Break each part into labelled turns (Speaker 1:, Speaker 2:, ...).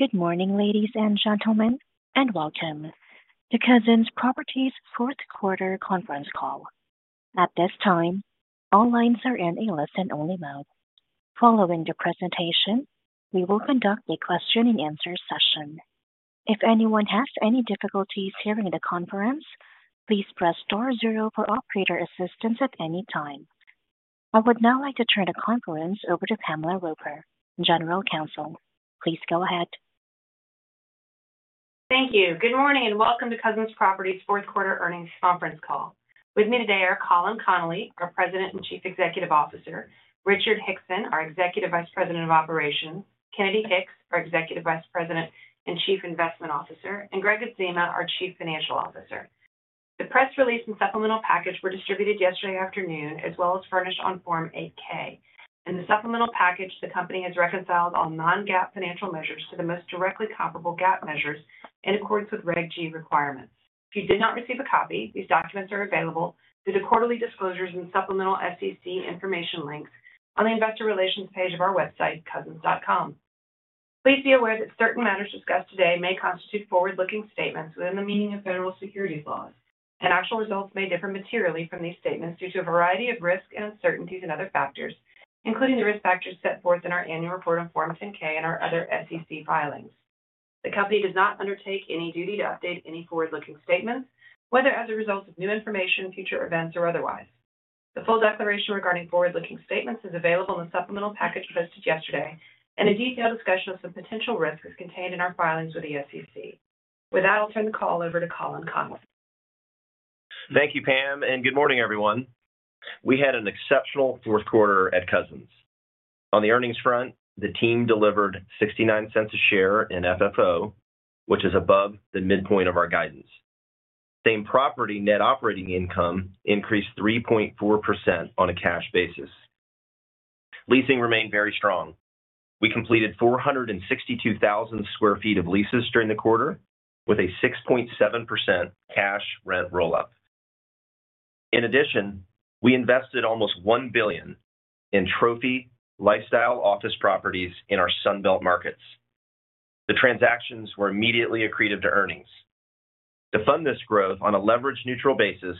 Speaker 1: Good morning, ladies and gentlemen, and welcome to Cousins Properties Fourth Quarter Conference Call. At this time, all lines are in a listen-only mode. Following the presentation, we will conduct a question-and-answer session. If anyone has any difficulties hearing the conference, please press star zero for operator assistance at any time. I would now like to turn the conference over to Pamela Roper, General Counsel. Please go ahead.
Speaker 2: Thank you. Good morning and welcome to Cousins Properties Fourth Quarter Earnings Conference Call. With me today are Colin Connolly, our President and Chief Executive Officer, Richard Hickson, our Executive Vice President of Operations, Kennedy Hicks, our Executive Vice President and Chief Investment Officer, and Gregg Adzema, our Chief Financial Officer. The press release and supplemental package were distributed yesterday afternoon, as well as furnished on Form 8-K. In the supplemental package, the company has reconciled all non-GAAP financial measures to the most directly comparable GAAP measures in accordance with Reg G requirements. If you did not receive a copy, these documents are available through the quarterly disclosures and supplemental financial information links on the Investor Relations page of our website, cousins.com. Please be aware that certain matters discussed today may constitute forward-looking statements within the meaning of federal securities laws, and actual results may differ materially from these statements due to a variety of risks and uncertainties and other factors, including the risk factors set forth in our annual report on Form 10-K and our other SEC filings. The company does not undertake any duty to update any forward-looking statements, whether as a result of new information, future events, or otherwise. The full declaration regarding forward-looking statements is available in the supplemental package posted yesterday, and a detailed discussion of some potential risks contained in our filings with the SEC. With that, I'll turn the call over to Colin Connolly.
Speaker 3: Thank you, Pam, and good morning, everyone. We had an exceptional fourth quarter at Cousins. On the earnings front, the team delivered $0.69 a share in FFO, which is above the midpoint of our guidance. Same property, net operating income increased 3.4% on a cash basis. Leasing remained very strong. We completed 462,000 sq ft of leases during the quarter, with a 6.7% cash-rent roll-up. In addition, we invested almost $1 billion in trophy lifestyle office properties in our Sun Belt markets. The transactions were immediately accretive to earnings. To fund this growth on a leverage-neutral basis,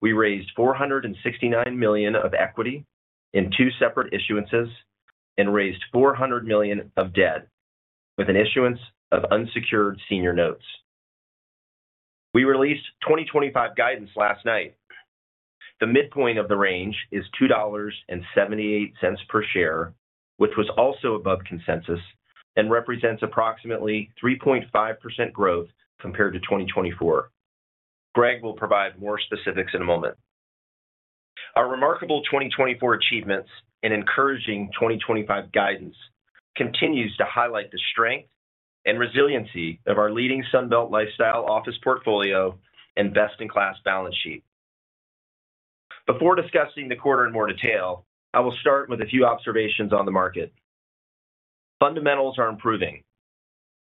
Speaker 3: we raised $469 million of equity in two separate issuances and raised $400 million of debt, with an issuance of unsecured senior notes. We released 2025 guidance last night. The midpoint of the range is $2.78 per share, which was also above consensus and represents approximately 3.5% growth compared to 2024. Gregg will provide more specifics in a moment. Our remarkable 2024 achievements and encouraging 2025 guidance continue to highlight the strength and resiliency of our leading Sun Belt lifestyle office portfolio and best-in-class balance sheet. Before discussing the quarter in more detail, I will start with a few observations on the market. Fundamentals are improving.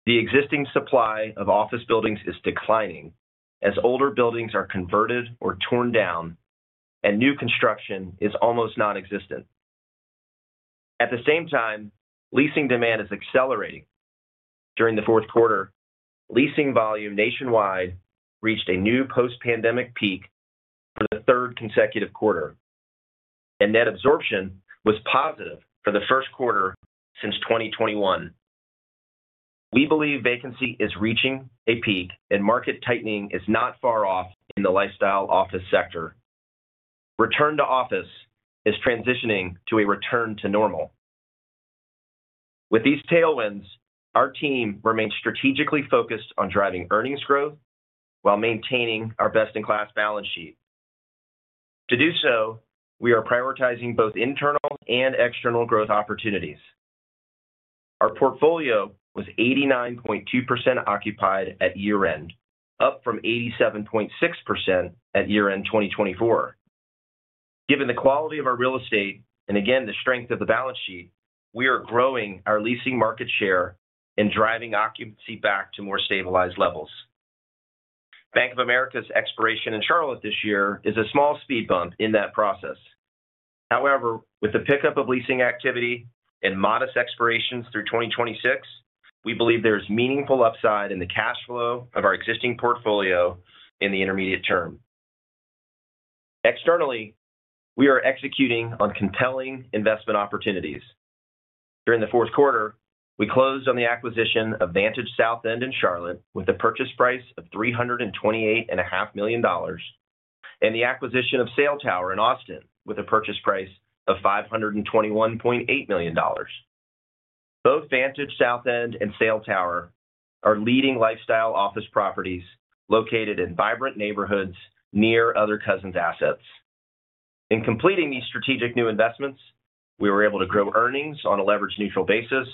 Speaker 3: The existing supply of office buildings is declining as older buildings are converted or torn down, and new construction is almost nonexistent. At the same time, leasing demand is accelerating. During the fourth quarter, leasing volume nationwide reached a new post-pandemic peak for the third consecutive quarter, and net absorption was positive for the first quarter since 2021. We believe vacancy is reaching a peak, and market tightening is not far off in the lifestyle office sector. Return to office is transitioning to a return to normal. With these tailwinds, our team remains strategically focused on driving earnings growth while maintaining our best-in-class balance sheet. To do so, we are prioritizing both internal and external growth opportunities. Our portfolio was 89.2% occupied at year-end, up from 87.6% at year-end 2024. Given the quality of our real estate and, again, the strength of the balance sheet, we are growing our leasing market share and driving occupancy back to more stabilized levels. Bank of America's expiration in Charlotte this year is a small speed bump in that process. However, with the pickup of leasing activity and modest expirations through 2026, we believe there is meaningful upside in the cash flow of our existing portfolio in the intermediate term. Externally, we are executing on compelling investment opportunities. During the fourth quarter, we closed on the acquisition of Vantage South End in Charlotte with a purchase price of $328.5 million, and the acquisition of Sail Tower in Austin with a purchase price of $521.8 million. Both Vantage South End and Sail Tower are leading lifestyle office properties located in vibrant neighborhoods near other Cousins' assets. In completing these strategic new investments, we were able to grow earnings on a leverage-neutral basis,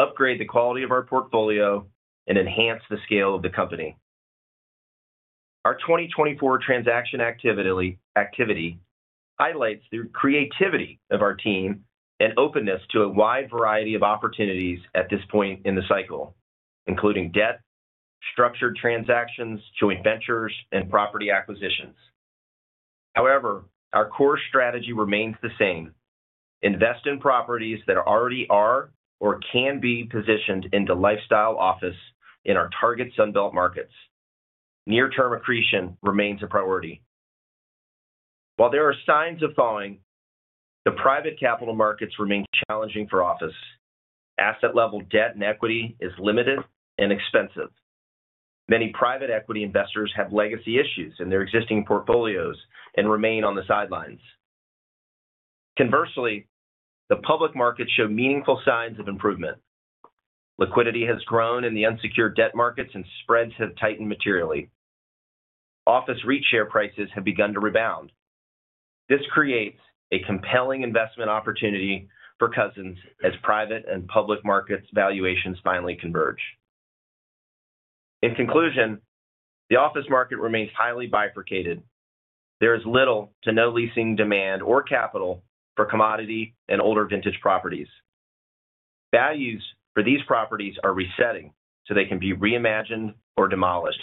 Speaker 3: upgrade the quality of our portfolio, and enhance the scale of the company. Our 2024 transaction activity highlights the creativity of our team and openness to a wide variety of opportunities at this point in the cycle, including debt, structured transactions, joint ventures, and property acquisitions. However, our core strategy remains the same: invest in properties that already are or can be positioned into lifestyle office in our target Sun Belt markets. Near-term accretion remains a priority. While there are signs of thawing, the private capital markets remain challenging for office. Asset-level debt and equity is limited and expensive. Many private equity investors have legacy issues in their existing portfolios and remain on the sidelines. Conversely, the public markets show meaningful signs of improvement. Liquidity has grown in the unsecured debt markets, and spreads have tightened materially. Office REIT share prices have begun to rebound. This creates a compelling investment opportunity for Cousins as private and public markets' valuations finally converge. In conclusion, the office market remains highly bifurcated. There is little to no leasing demand or capital for commodity and older vintage properties. Values for these properties are resetting so they can be reimagined or demolished.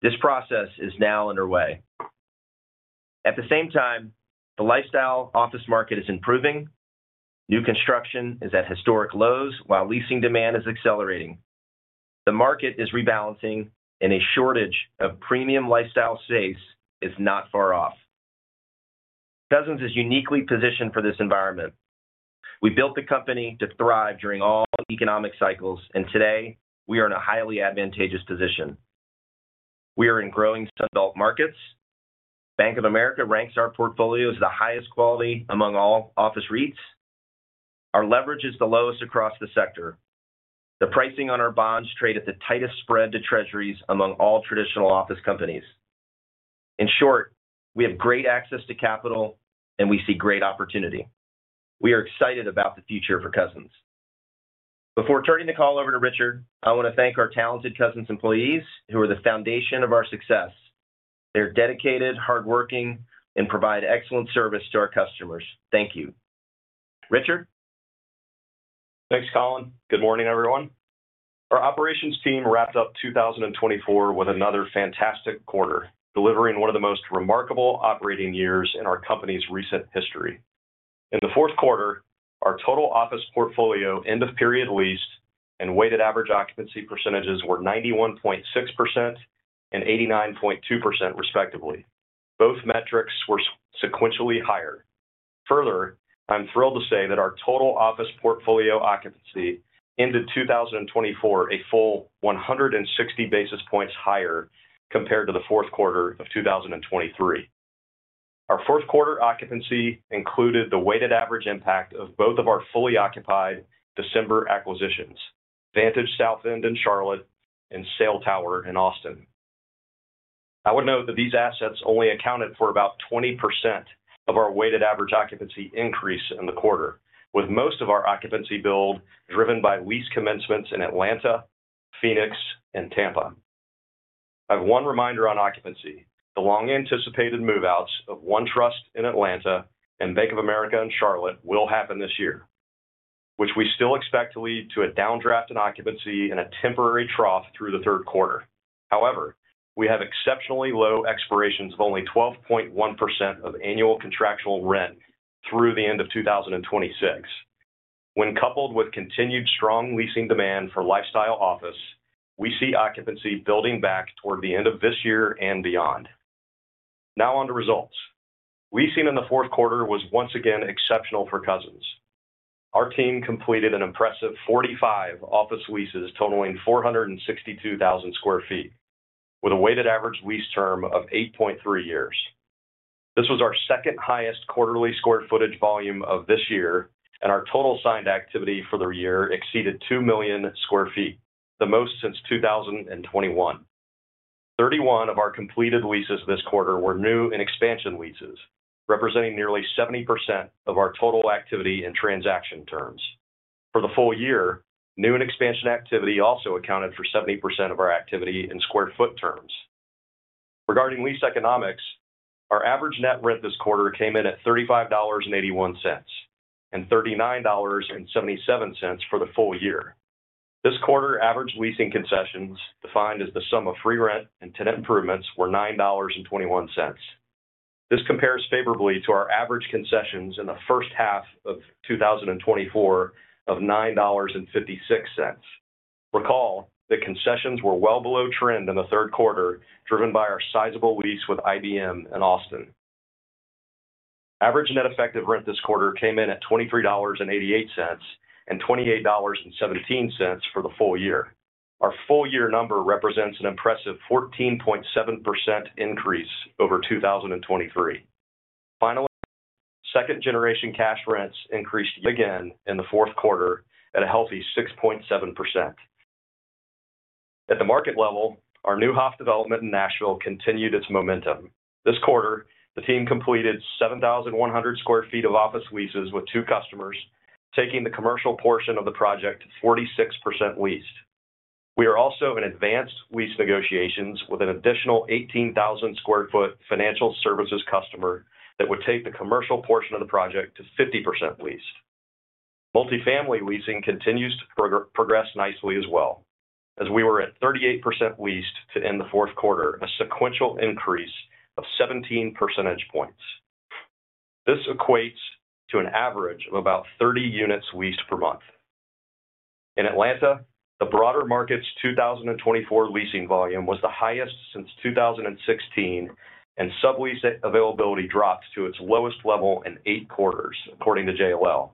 Speaker 3: This process is now underway. At the same time, the lifestyle office market is improving. New construction is at historic lows while leasing demand is accelerating. The market is rebalancing, and a shortage of premium lifestyle space is not far off. Cousins is uniquely positioned for this environment. We built the company to thrive during all economic cycles, and today we are in a highly advantageous position. We are in growing Sun Belt markets. Bank of America ranks our portfolio as the highest quality among all office REITs. Our leverage is the lowest across the sector. The pricing on our bonds trade at the tightest spread to Treasuries among all traditional office companies. In short, we have great access to capital, and we see great opportunity. We are excited about the future for Cousins. Before turning the call over to Richard, I want to thank our talented Cousins employees who are the foundation of our success. They are dedicated, hardworking, and provide excellent service to our customers. Thank you. Richard?
Speaker 4: Thanks, Colin. Good morning, everyone. Our operations team wrapped up 2024 with another fantastic quarter, delivering one of the most remarkable operating years in our company's recent history. In the fourth quarter, our total office portfolio end-of-period leased and weighted average occupancy percentages were 91.6% and 89.2%, respectively. Both metrics were sequentially higher. Further, I'm thrilled to say that our total office portfolio occupancy ended 2024 a full 160 basis points higher compared to the fourth quarter of 2023. Our fourth quarter occupancy included the weighted average impact of both of our fully occupied December acquisitions: Vantage South End in Charlotte and Sail Tower in Austin. I would note that these assets only accounted for about 20% of our weighted average occupancy increase in the quarter, with most of our occupancy build driven by lease commencements in Atlanta, Phoenix, and Tampa. I have one reminder on occupancy: the long-anticipated move-outs of OneTrust in Atlanta and Bank of America in Charlotte will happen this year, which we still expect to lead to a downdraft in occupancy and a temporary trough through the third quarter. However, we have exceptionally low expirations of only 12.1% of annual contractual rent through the end of 2026. When coupled with continued strong leasing demand for lifestyle office, we see occupancy building back toward the end of this year and beyond. Now on to results. Leasing in the fourth quarter was once again exceptional for Cousins. Our team completed an impressive 45 office leases totaling 462,000 sq ft, with a weighted average lease term of 8.3 years. This was our second-highest quarterly square footage volume of this year, and our total signed activity for the year exceeded 2 million sq ft, the most since 2021. 31 of our completed leases this quarter were new and expansion leases, representing nearly 70% of our total activity in transaction terms. For the full year, new and expansion activity also accounted for 70% of our activity in square foot terms. Regarding lease economics, our average net rent this quarter came in at $35.81 and $39.77 for the full year. This quarter average leasing concessions, defined as the sum of free rent and tenant improvements, were $9.21. This compares favorably to our average concessions in the first half of 2024 of $9.56. Recall that concessions were well below trend in the third quarter, driven by our sizable lease with IBM in Austin. Average net effective rent this quarter came in at $23.88 and $28.17 for the full year. Our full-year number represents an impressive 14.7% increase over 2023. Finally, second-generation cash rents increased again in the fourth quarter at a healthy 6.7%. At the market level, our Neuhoff development in Nashville continued its momentum. This quarter, the team completed 7,100 sq ft of office leases with two customers, taking the commercial portion of the project to 46% leased. We are also in advanced lease negotiations with an additional 18,000 sq ft financial services customer that would take the commercial portion of the project to 50% leased. Multifamily leasing continues to progress nicely as well, as we were at 38% leased to end the fourth quarter, a sequential increase of 17 percentage points. This equates to an average of about 30 units leased per month. In Atlanta, the broader market's 2024 leasing volume was the highest since 2016, and sublease availability dropped to its lowest level in eight quarters, according to JLL.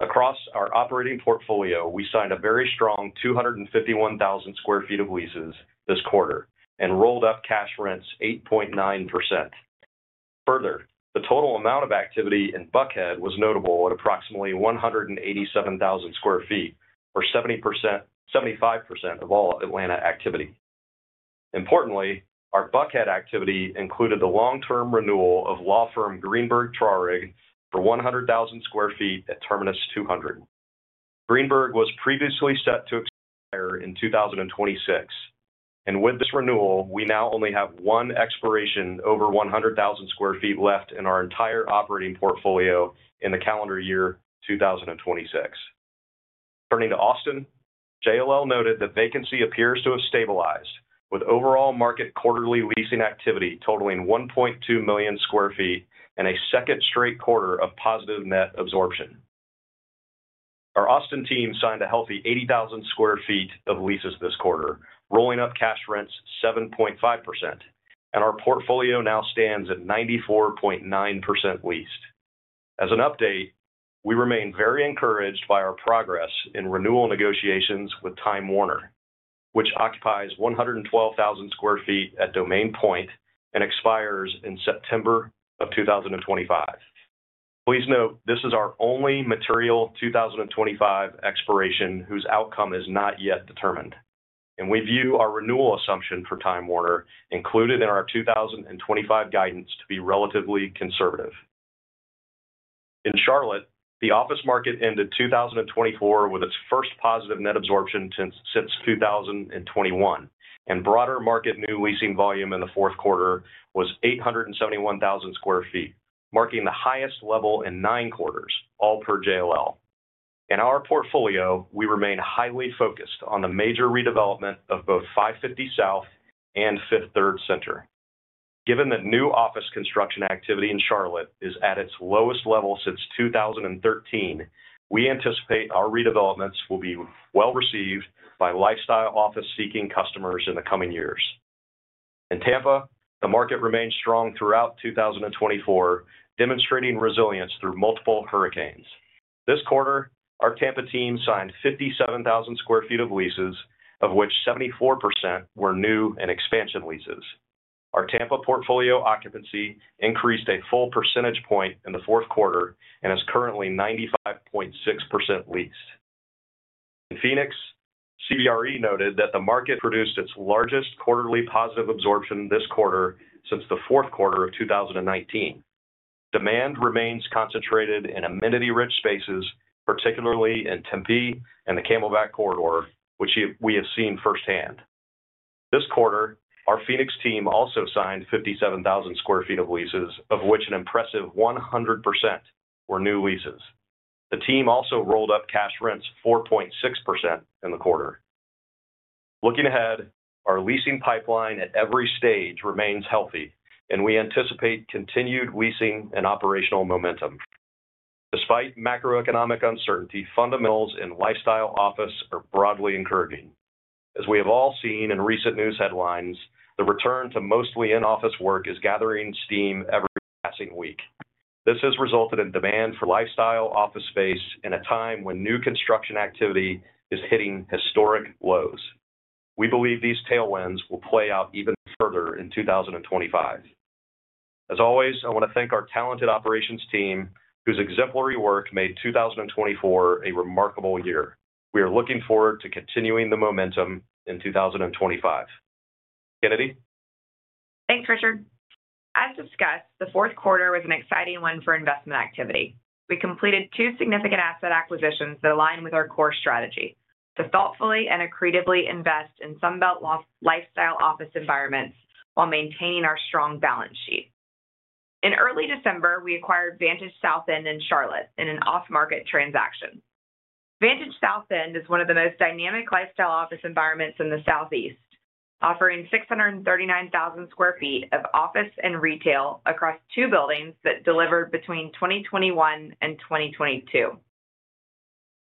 Speaker 4: Across our operating portfolio, we signed a very strong 251,000 sq ft of leases this quarter and rolled-up cash rents 8.9%. Further, the total amount of activity in Buckhead was notable at approximately 187,000 sq ft, or 75% of all Atlanta activity. Importantly, our Buckhead activity included the long-term renewal of law firm Greenberg Traurig for 100,000 sq ft at Terminus 200. Greenberg was previously set to expire in 2026, and with this renewal, we now only have one expiration over 100,000 sq ft left in our entire operating portfolio in the calendar year 2026. Turning to Austin, JLL noted that vacancy appears to have stabilized, with overall market quarterly leasing activity totaling 1.2 million sq ft and a second straight quarter of positive net absorption. Our Austin team signed a healthy 80,000 sq ft of leases this quarter, rolling up cash rents 7.5%, and our portfolio now stands at 94.9% leased. As an update, we remain very encouraged by our progress in renewal negotiations with Time Warner, which occupies 112,000 sq ft at Domain Point and expires in September of 2025. Please note this is our only material 2025 expiration whose outcome is not yet determined, and we view our renewal assumption for Time Warner, included in our 2025 guidance, to be relatively conservative. In Charlotte, the office market ended 2024 with its first positive net absorption since 2021, and broader market new leasing volume in the fourth quarter was 871,000 sq ft, marking the highest level in nine quarters, all per JLL. In our portfolio, we remain highly focused on the major redevelopment of both 550 South and Fifth Third Center. Given that new office construction activity in Charlotte is at its lowest level since 2013, we anticipate our redevelopments will be well received by lifestyle office-seeking customers in the coming years. In Tampa, the market remained strong throughout 2024, demonstrating resilience through multiple hurricanes. This quarter, our Tampa team signed 57,000 sq ft of leases, of which 74% were new and expansion leases. Our Tampa portfolio occupancy increased a full percentage point in the fourth quarter and is currently 95.6% leased. In Phoenix, CBRE noted that the market produced its largest quarterly positive absorption this quarter since the fourth quarter of 2019. Demand remains concentrated in amenity-rich spaces, particularly in Tempe and the Camelback Corridor, which we have seen firsthand. This quarter, our Phoenix team also signed 57,000 sq ft of leases, of which an impressive 100% were new leases. The team also rolled-up cash rents 4.6% in the quarter. Looking ahead, our leasing pipeline at every stage remains healthy, and we anticipate continued leasing and operational momentum. Despite macroeconomic uncertainty, fundamentals in lifestyle office are broadly encouraging. As we have all seen in recent news headlines, the return to mostly in-office work is gathering steam every passing week. This has resulted in demand for lifestyle office space in a time when new construction activity is hitting historic lows. We believe these tailwinds will play out even further in 2025. As always, I want to thank our talented operations team, whose exemplary work made 2024 a remarkable year. We are looking forward to continuing the momentum in 2025. Kennedy?
Speaker 5: Thanks, Richard. As discussed, the fourth quarter was an exciting one for investment activity. We completed two significant asset acquisitions that align with our core strategy: to thoughtfully and accretively invest in Sun Belt lifestyle office environments while maintaining our strong balance sheet. In early December, we acquired Vantage South End in Charlotte in an off-market transaction. Vantage South End is one of the most dynamic lifestyle office environments in the Southeast, offering 639,000 sq ft of office and retail across two buildings that delivered between 2021 and 2022.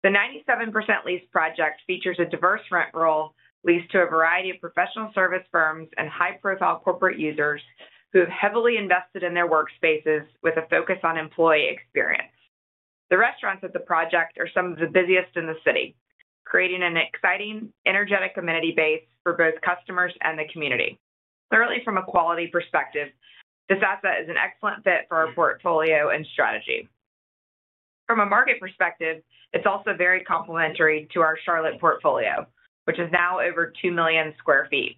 Speaker 5: The 97% leased project features a diverse rent roll leased to a variety of professional service firms and high-profile corporate users who have heavily invested in their workspaces with a focus on employee experience. The restaurants at the project are some of the busiest in the city, creating an exciting, energetic amenity base for both customers and the community. Clearly, from a quality perspective, this asset is an excellent fit for our portfolio and strategy. From a market perspective, it's also very complementary to our Charlotte portfolio, which is now over 2 million sq ft.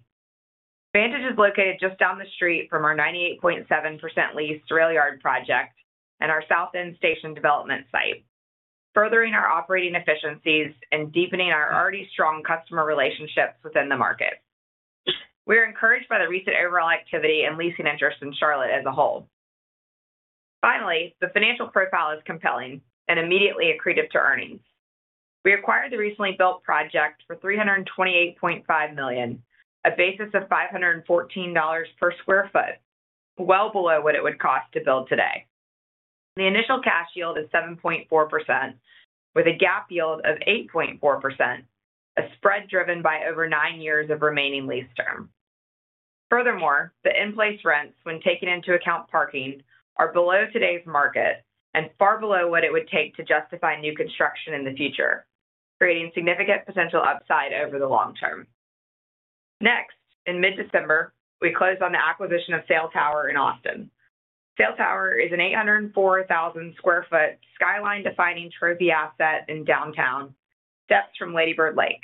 Speaker 5: Vantage is located just down the street from our 98.7% leased RailYard project and our South End Station development site, furthering our operating efficiencies and deepening our already strong customer relationships within the market. We are encouraged by the recent overall activity and leasing interest in Charlotte as a whole. Finally, the financial profile is compelling and immediately accretive to earnings. We acquired the recently built project for $328.5 million, a basis of $514 per sq ft, well below what it would cost to build today. The initial cash yield is 7.4%, with a GAAP yield of 8.4%, a spread driven by over nine years of remaining lease term. Furthermore, the in-place rents, when taken into account parking, are below today's market and far below what it would take to justify new construction in the future, creating significant potential upside over the long term. Next, in mid-December, we closed on the acquisition of Sail Tower in Austin. Sail Tower is an 804,000 sq ft, skyline-defining trophy asset in downtown, steps from Lady Bird Lake.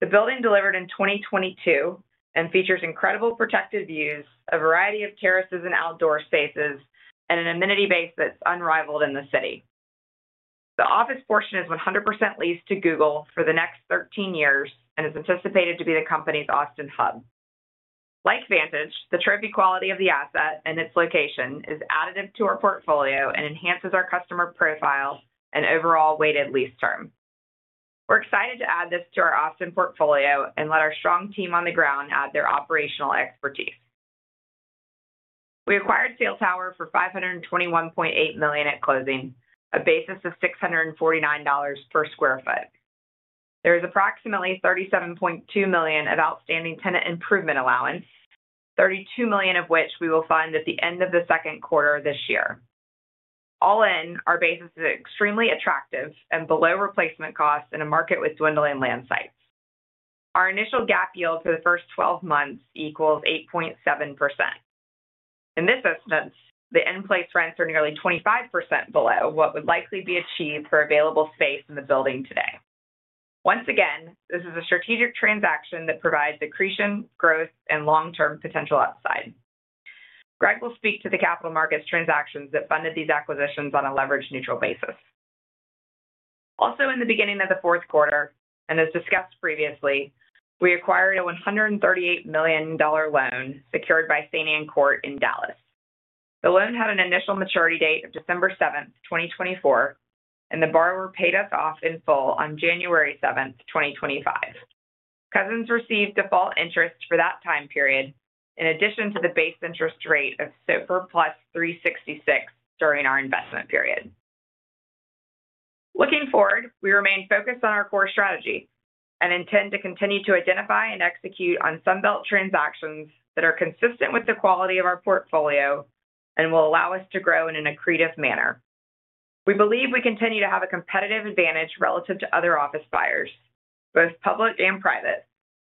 Speaker 5: The building delivered in 2022 and features incredible protected views, a variety of terraces and outdoor spaces, and an amenity base that's unrivaled in the city. The office portion is 100% leased to Google for the next 13 years and is anticipated to be the company's Austin hub. Like Vantage, the trophy quality of the asset and its location is additive to our portfolio and enhances our customer profile and overall weighted lease term. We're excited to add this to our Austin portfolio and let our strong team on the ground add their operational expertise. We acquired Sail Tower for $521.8 million at closing, a basis of $649 per sq ft. There is approximately $37.2 million of outstanding tenant improvement allowance, $32 million of which we will fund at the end of the second quarter of this year. All in, our basis is extremely attractive and below replacement costs in a market with dwindling land sites. Our initial GAAP yield for the first 12 months equals 8.7%. In this instance, the in-place rents are nearly 25% below what would likely be achieved for available space in the building today. Once again, this is a strategic transaction that provides accretion, growth, and long-term potential upside. Gregg will speak to the capital markets transactions that funded these acquisitions on a leverage-neutral basis. Also, in the beginning of the fourth quarter, and as discussed previously, we acquired a $138 million loan secured by Saint Ann Court in Dallas. The loan had an initial maturity date of December 7th, 2024, and the borrower paid us off in full on January 7th, 2025. Cousins received default interest for that time period, in addition to the base interest rate of SOFR plus 366 during our investment period. Looking forward, we remain focused on our core strategy and intend to continue to identify and execute on Sun Belt transactions that are consistent with the quality of our portfolio and will allow us to grow in an accretive manner. We believe we continue to have a competitive advantage relative to other office buyers, both public and private,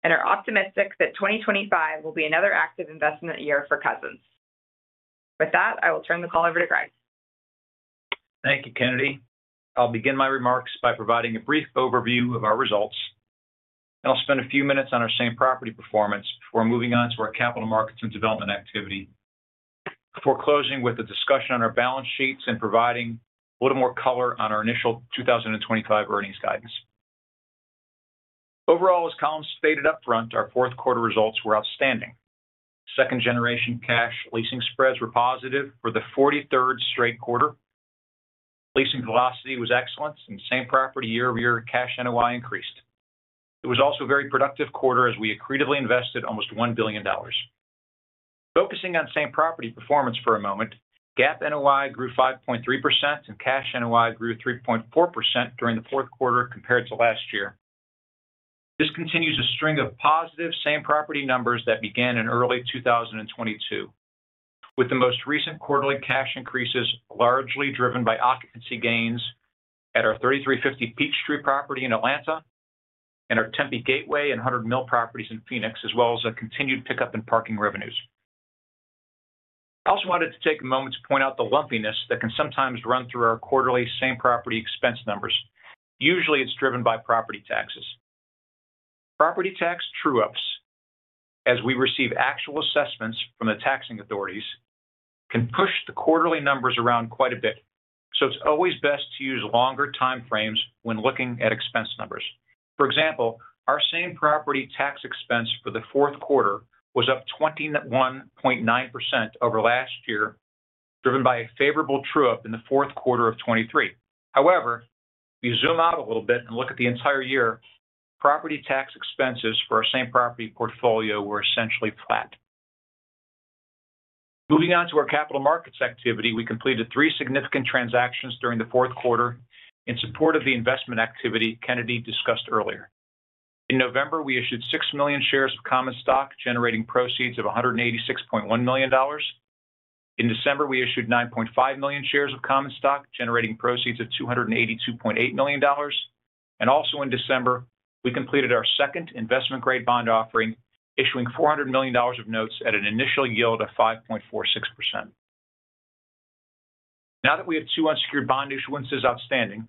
Speaker 5: and are optimistic that 2025 will be another active investment year for Cousins. With that, I will turn the call over to Gregg.
Speaker 6: Thank you, Kennedy. I'll begin my remarks by providing a brief overview of our results, and I'll spend a few minutes on our same property performance before moving on to our capital markets and development activity before closing with a discussion on our balance sheets and providing a little more color on our initial 2025 earnings guidance. Overall, as Colin stated upfront, our fourth quarter results were outstanding. Second-generation cash leasing spreads were positive for the 43rd straight quarter. Leasing velocity was excellent, and same property year-over-year cash NOI increased. It was also a very productive quarter as we accretively invested almost $1 billion. Focusing on same property performance for a moment, GAAP NOI grew 5.3% and cash NOI grew 3.4% during the fourth quarter compared to last year. This continues a string of positive same property numbers that began in early 2022, with the most recent quarterly cash increases largely driven by occupancy gains at our 3350 Peachtree property in Atlanta and our Tempe Gateway and 100 Mill properties in Phoenix, as well as a continued pickup in parking revenues. I also wanted to take a moment to point out the lumpiness that can sometimes run through our quarterly same property expense numbers. Usually, it's driven by property taxes. Property tax true-ups, as we receive actual assessments from the taxing authorities, can push the quarterly numbers around quite a bit, so it's always best to use longer time frames when looking at expense numbers. For example, our same property tax expense for the fourth quarter was up 21.9% over last year, driven by a favorable true-up in the fourth quarter of 2023. However, if you zoom out a little bit and look at the entire year, property tax expenses for our same property portfolio were essentially flat. Moving on to our capital markets activity, we completed three significant transactions during the fourth quarter in support of the investment activity Kennedy discussed earlier. In November, we issued six million shares of common stock, generating proceeds of $186.1 million. In December, we issued 9.5 million shares of common stock, generating proceeds of $282.8 million. And also in December, we completed our second investment-grade bond offering, issuing $400 million of notes at an initial yield of 5.46%. Now that we have two unsecured bond issuances outstanding,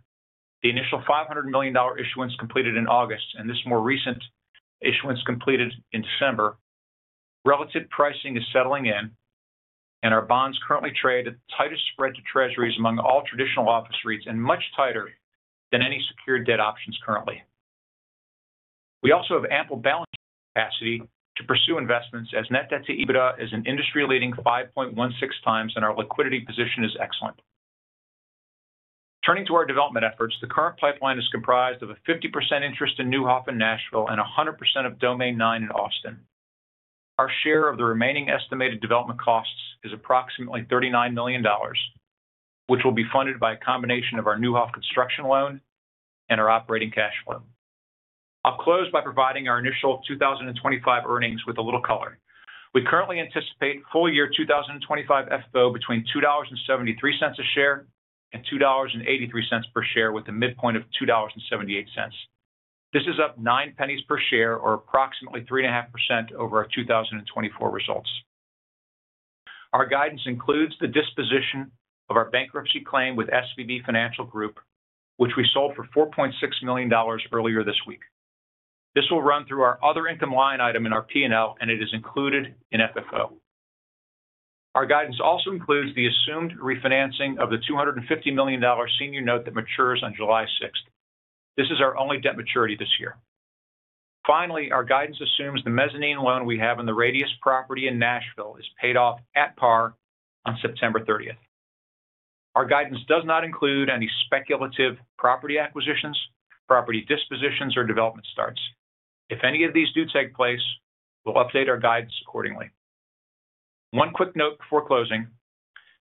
Speaker 6: the initial $500 million issuance completed in August and this more recent issuance completed in December, relative pricing is settling in, and our bonds currently trade at the tightest spread to treasuries among all traditional office REITs and much tighter than any secured debt options currently. We also have ample balance capacity to pursue investments as net debt to EBITDA is an industry-leading 5.16x, and our liquidity position is excellent. Turning to our development efforts, the current pipeline is comprised of a 50% interest in Neuhoff in Nashville and 100% of Domain 9 in Austin. Our share of the remaining estimated development costs is approximately $39 million, which will be funded by a combination of our Neuhoff construction loan and our operating cash flow. I'll close by providing our initial 2025 earnings with a little color. We currently anticipate full year 2025 FFO between $2.73 a share and $2.83 per share with a midpoint of $2.78. This is up $0.09 per share, or approximately 3.5% over our 2024 results. Our guidance includes the disposition of our bankruptcy claim with SVB Financial Group, which we sold for $4.6 million earlier this week. This will run through our other income line item in our P&L, and it is included in FFO. Our guidance also includes the assumed refinancing of the $250 million senior note that matures on July 6th. This is our only debt maturity this year. Finally, our guidance assumes the mezzanine loan we have in the Radius property in Nashville is paid off at par on September 30th. Our guidance does not include any speculative property acquisitions, property dispositions, or development starts. If any of these do take place, we'll update our guidance accordingly. One quick note before closing: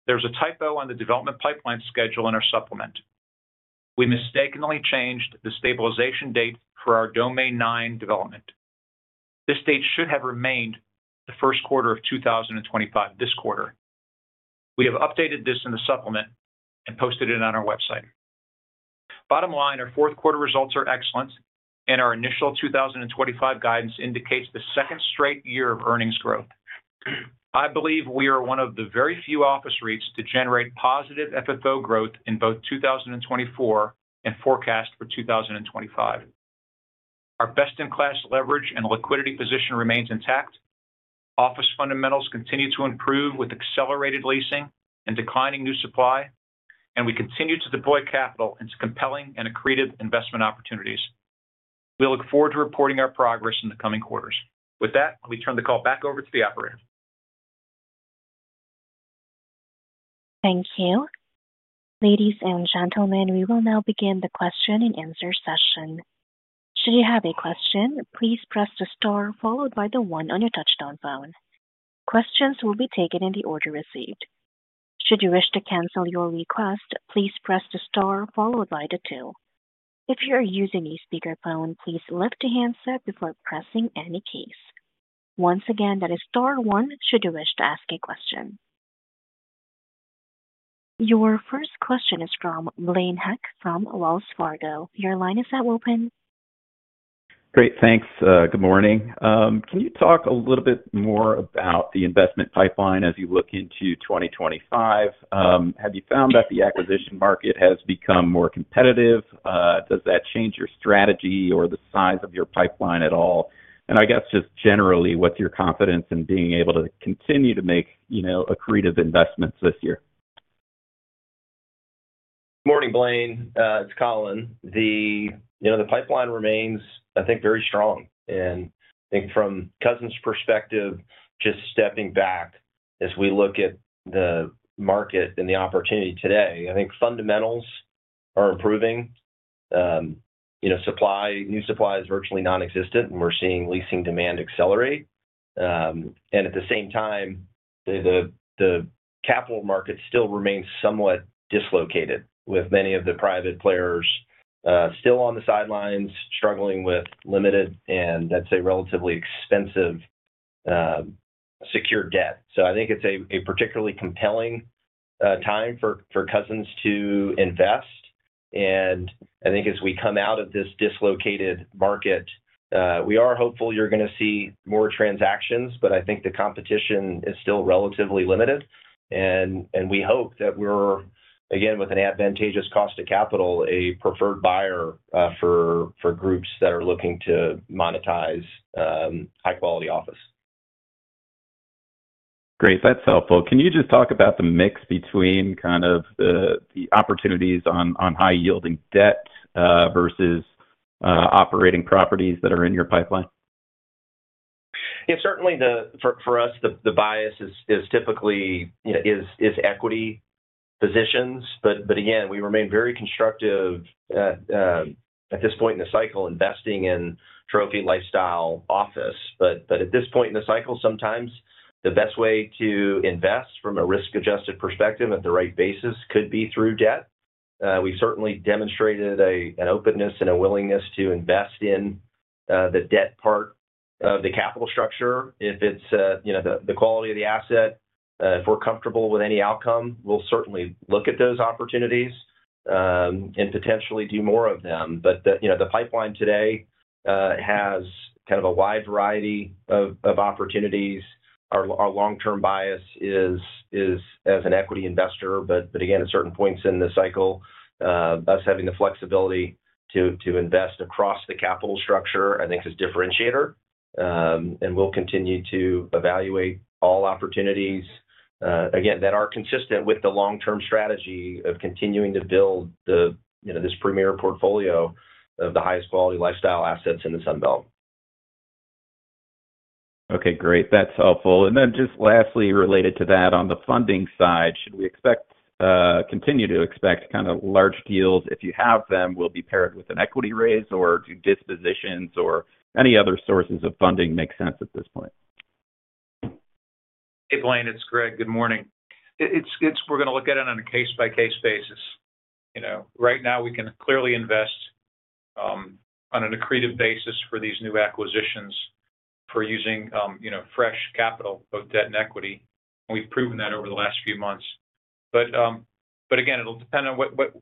Speaker 6: there's a typo on the development pipeline schedule in our supplement. We mistakenly changed the stabilization date for our Domain 9 development. This date should have remained the first quarter of 2025 this quarter. We have updated this in the supplement and posted it on our website. Bottom line, our fourth quarter results are excellent, and our initial 2025 guidance indicates the second straight year of earnings growth. I believe we are one of the very few office REITs to generate positive FFO growth in both 2024 and forecasted for 2025. Our best-in-class leverage and liquidity position remains intact. Office fundamentals continue to improve with accelerated leasing and declining new supply, and we continue to deploy capital into compelling and accretive investment opportunities. We look forward to reporting our progress in the coming quarters. With that, let me turn the call back over to the operator.
Speaker 1: Thank you. Ladies and gentlemen, we will now begin the question-and-answer session. Should you have a question, please press the star followed by the one on your touch-tone phone. Questions will be taken in the order received. Should you wish to cancel your request, please press the star followed by the two. If you are using a speakerphone, please lift the handset before pressing any keys. Once again, that is star one should you wish to ask a question. Your first question is from Blaine Heck from Wells Fargo. Your line is now open.
Speaker 7: Great, thanks. Good morning. Can you talk a little bit more about the investment pipeline as you look into 2025? Have you found that the acquisition market has become more competitive? Does that change your strategy or the size of your pipeline at all? And I guess just generally, what's your confidence in being able to continue to make accretive investments this year?
Speaker 3: Good morning, Blaine. It's Colin. The pipeline remains, I think, very strong. And I think from Cousins' perspective, just stepping back as we look at the market and the opportunity today, I think fundamentals are improving. New supply is virtually nonexistent, and we're seeing leasing demand accelerate. And at the same time, the capital market still remains somewhat dislocated, with many of the private players still on the sidelines struggling with limited and, I'd say, relatively expensive secured debt. So I think it's a particularly compelling time for Cousins to invest. And I think as we come out of this dislocated market, we are hopeful you're going to see more transactions, but I think the competition is still relatively limited. And we hope that we're, again, with an advantageous cost of capital, a preferred buyer for groups that are looking to monetize high-quality office.
Speaker 7: Great. That's helpful. Can you just talk about the mix between kind of the opportunities on high-yielding debt versus operating properties that are in your pipeline?
Speaker 3: Yeah, certainly for us, the bias is typically equity positions. But again, we remain very constructive at this point in the cycle investing in trophy lifestyle office. But at this point in the cycle, sometimes the best way to invest from a risk-adjusted perspective at the right basis could be through debt. We've certainly demonstrated an openness and a willingness to invest in the debt part of the capital structure. If it's the quality of the asset, if we're comfortable with any outcome, we'll certainly look at those opportunities and potentially do more of them. But the pipeline today has kind of a wide variety of opportunities. Our long-term bias is as an equity investor, but again, at certain points in the cycle, us having the flexibility to invest across the capital structure, I think, is differentiator. We'll continue to evaluate all opportunities, again, that are consistent with the long-term strategy of continuing to build this premier portfolio of the highest quality lifestyle assets in the Sun Belt.
Speaker 7: Okay, great. That's helpful, and then just lastly, related to that, on the funding side, should we continue to expect kind of large deals if you have them, will be paired with an equity raise or do dispositions or any other sources of funding make sense at this point?
Speaker 6: Hey, Blaine, it's Gregg. Good morning. We're going to look at it on a case-by-case basis. Right now, we can clearly invest on an accretive basis for these new acquisitions for using fresh capital, both debt and equity. We've proven that over the last few months. But again, it'll depend on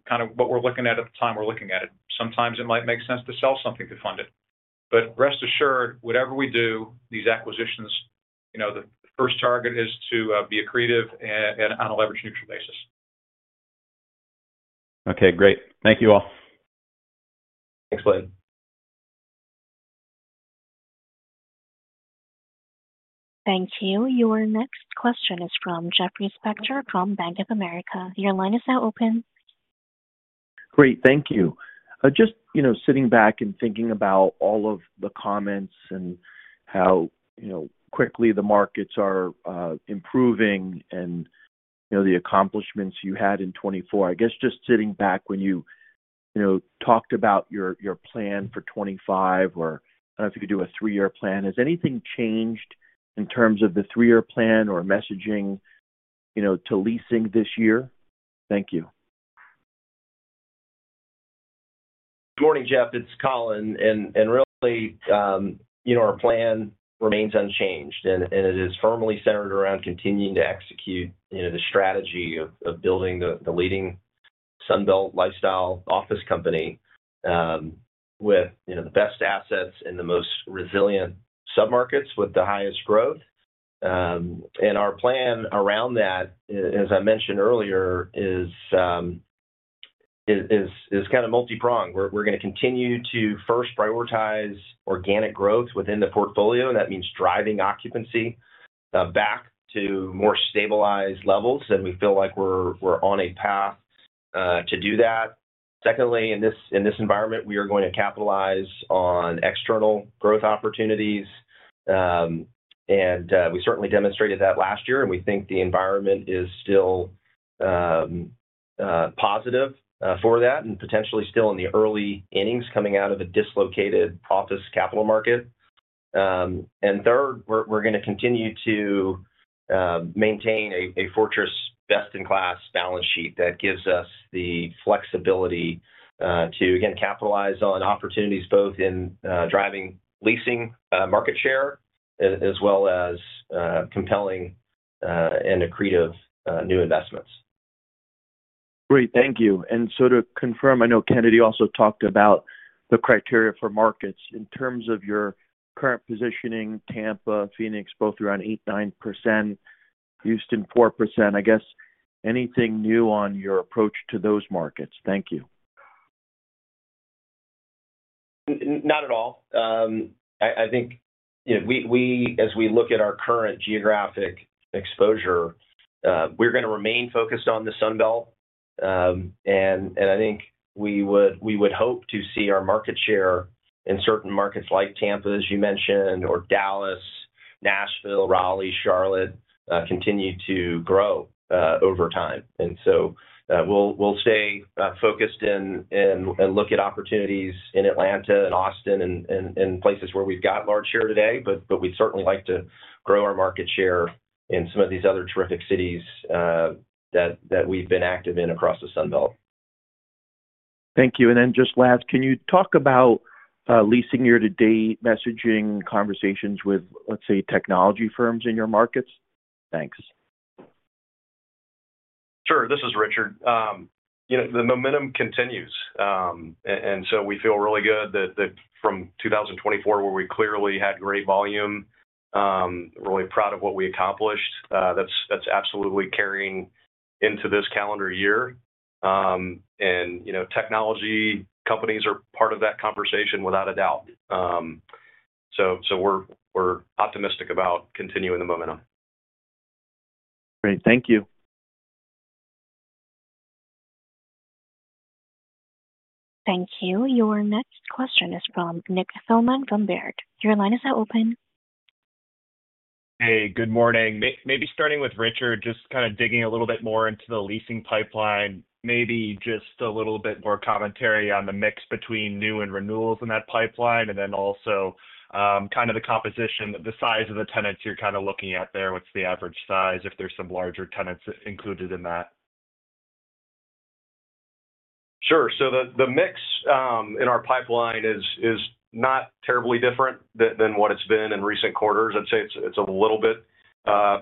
Speaker 6: kind of what we're looking at at the time we're looking at it. Sometimes it might make sense to sell something to fund it. But rest assured, whatever we do, these acquisitions, the first target is to be accretive and on a leverage-neutral basis.
Speaker 7: Okay, great. Thank you all.
Speaker 3: Thanks, Blaine.
Speaker 1: Thank you. Your next question is from Jeffrey Spector from Bank of America. Your line is now open.
Speaker 8: Great. Thank you. Just sitting back and thinking about all of the comments and how quickly the markets are improving and the accomplishments you had in 2024, I guess just sitting back when you talked about your plan for 2025 or I don't know if you could do a three-year plan, has anything changed in terms of the three-year plan or messaging to leasing this year? Thank you.
Speaker 3: Good morning, Jeff. It's Colin, and really, our plan remains unchanged, and it is firmly centered around continuing to execute the strategy of building the leading Sun Belt lifestyle office company with the best assets and the most resilient submarkets with the highest growth, and our plan around that, as I mentioned earlier, is kind of multi-pronged. We're going to continue to first prioritize organic growth within the portfolio, and that means driving occupancy back to more stabilized levels, and we feel like we're on a path to do that. Secondly, in this environment, we are going to capitalize on external growth opportunities, and we certainly demonstrated that last year, and we think the environment is still positive for that and potentially still in the early innings coming out of a dislocated office capital market. Third, we're going to continue to maintain a fortress best-in-class balance sheet that gives us the flexibility to, again, capitalize on opportunities both in driving leasing market share as well as compelling and accretive new investments.
Speaker 8: Great. Thank you, and so to confirm, I know Kennedy also talked about the criteria for markets. In terms of your current positioning, Tampa, Phoenix, both around 8%, 9%, Houston 4%, I guess anything new on your approach to those markets? Thank you.
Speaker 3: Not at all. I think as we look at our current geographic exposure, we're going to remain focused on the Sun Belt, and I think we would hope to see our market share in certain markets like Tampa, as you mentioned, or Dallas, Nashville, Raleigh, Charlotte continue to grow over time, and so we'll stay focused and look at opportunities in Atlanta and Austin and places where we've got large share today, but we'd certainly like to grow our market share in some of these other terrific cities that we've been active in across the Sun Belt.
Speaker 8: Thank you. And then just last, can you talk about leasing year-to-date messaging conversations with, let's say, technology firms in your markets? Thanks.
Speaker 4: Sure. This is Richard. The momentum continues, and so we feel really good that from 2024, where we clearly had great volume, really proud of what we accomplished, that's absolutely carrying into this calendar year, and technology companies are part of that conversation without a doubt, so we're optimistic about continuing the momentum.
Speaker 8: Great. Thank you.
Speaker 1: Thank you. Your next question is from Nick Thillman from Baird. Your line is now open.
Speaker 9: Hey, good morning. Maybe starting with Richard, just kind of digging a little bit more into the leasing pipeline, maybe just a little bit more commentary on the mix between new and renewals in that pipeline, and then also kind of the composition, the size of the tenants you're kind of looking at there, what's the average size, if there's some larger tenants included in that?
Speaker 4: Sure. So the mix in our pipeline is not terribly different than what it's been in recent quarters. I'd say it's a little bit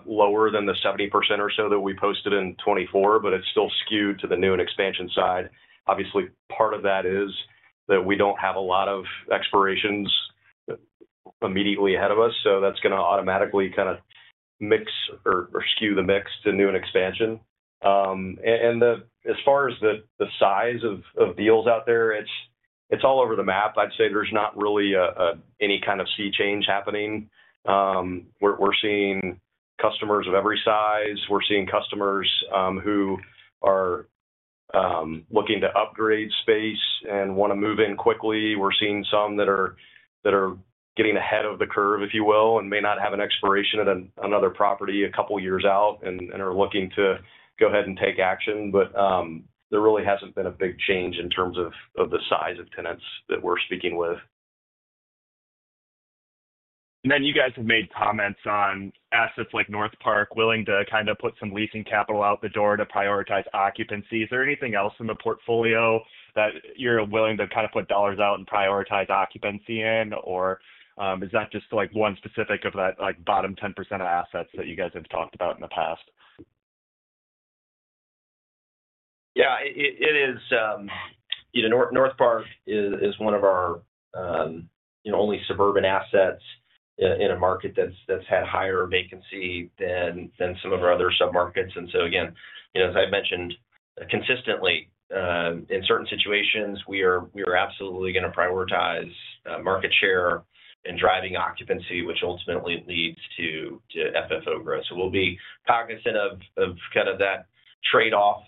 Speaker 4: lower than the 70% or so that we posted in 2024, but it's still skewed to the new and expansion side. Obviously, part of that is that we don't have a lot of expirations immediately ahead of us, so that's going to automatically kind of mix or skew the mix to new and expansion. And as far as the size of deals out there, it's all over the map. I'd say there's not really any kind of sea change happening. We're seeing customers of every size. We're seeing customers who are looking to upgrade space and want to move in quickly. We're seeing some that are getting ahead of the curve, if you will, and may not have an expiration at another property a couple of years out and are looking to go ahead and take action. But there really hasn't been a big change in terms of the size of tenants that we're speaking with.
Speaker 9: Then you guys have made comments on assets like Northpark willing to kind of put some leasing capital out the door to prioritize occupancy. Is there anything else in the portfolio that you're willing to kind of put dollars out and prioritize occupancy in? Or is that just one specific of that bottom 10% of assets that you guys have talked about in the past?
Speaker 3: Yeah, it is. Northpark is one of our only suburban assets in a market that's had higher vacancy than some of our other submarkets. And so again, as I mentioned consistently, in certain situations, we are absolutely going to prioritize market share and driving occupancy, which ultimately leads to FFO growth. So we'll be cognizant of kind of that trade-off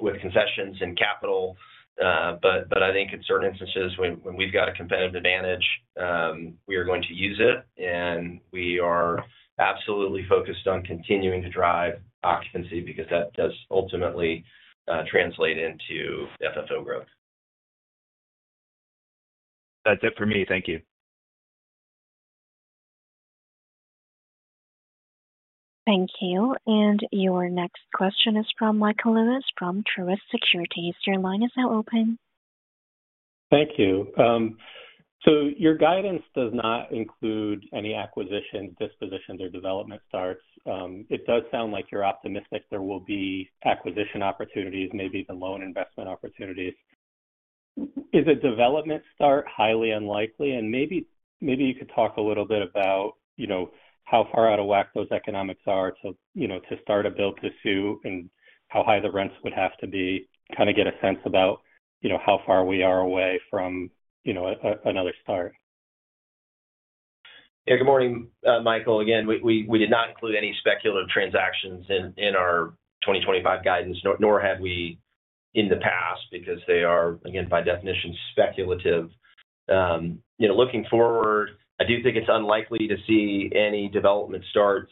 Speaker 3: with concessions and capital. But I think in certain instances, when we've got a competitive advantage, we are going to use it, and we are absolutely focused on continuing to drive occupancy because that does ultimately translate into FFO growth.
Speaker 9: That's it for me. Thank you.
Speaker 1: Thank you. And your next question is from Michael Lewis from Truist Securities. Is your line now open?
Speaker 10: Thank you. So your guidance does not include any acquisitions, dispositions, or development starts. It does sound like you're optimistic there will be acquisition opportunities, maybe even loan investment opportunities. Is a development start highly unlikely? And maybe you could talk a little bit about how far out of whack those economics are to start a build-to-suit and how high the rents would have to be, kind of get a sense about how far we are away from another start.
Speaker 3: Yeah, good morning, Michael. Again, we did not include any speculative transactions in our 2025 guidance, nor have we in the past because they are, again, by definition, speculative. Looking forward, I do think it's unlikely to see any development starts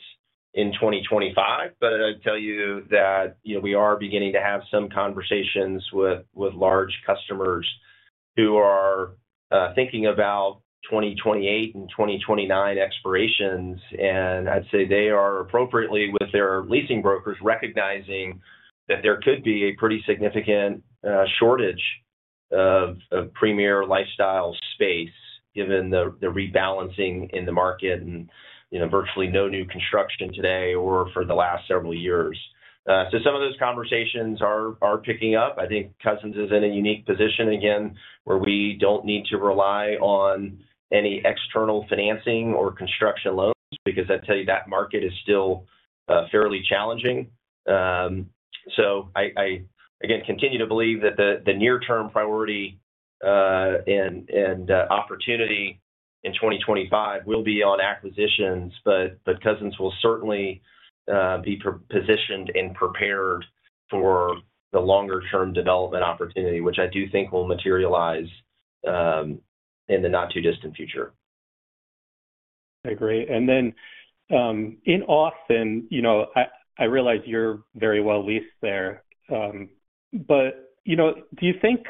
Speaker 3: in 2025, but I'd tell you that we are beginning to have some conversations with large customers who are thinking about 2028 and 2029 expirations. And I'd say they are appropriately with their leasing brokers recognizing that there could be a pretty significant shortage of premier lifestyle space given the rebalancing in the market and virtually no new construction today or for the last several years. So some of those conversations are picking up. I think Cousins is in a unique position, again, where we don't need to rely on any external financing or construction loans because I'd tell you that market is still fairly challenging. I, again, continue to believe that the near-term priority and opportunity in 2025 will be on acquisitions, but Cousins will certainly be positioned and prepared for the longer-term development opportunity, which I do think will materialize in the not-too-distant future.
Speaker 10: Okay, great. And then in Austin, I realize you're very well leased there. But do you think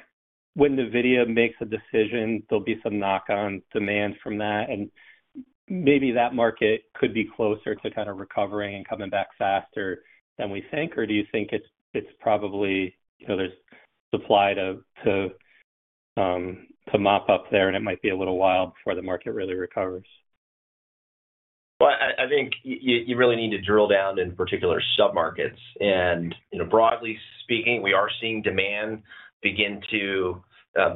Speaker 10: when NVIDIA makes a decision, there'll be some knock-on demand from that? And maybe that market could be closer to kind of recovering and coming back faster than we think, or do you think it's probably there's supply to mop up there, and it might be a little while before the market really recovers?
Speaker 3: I think you really need to drill down in particular submarkets. Broadly speaking, we are seeing demand begin to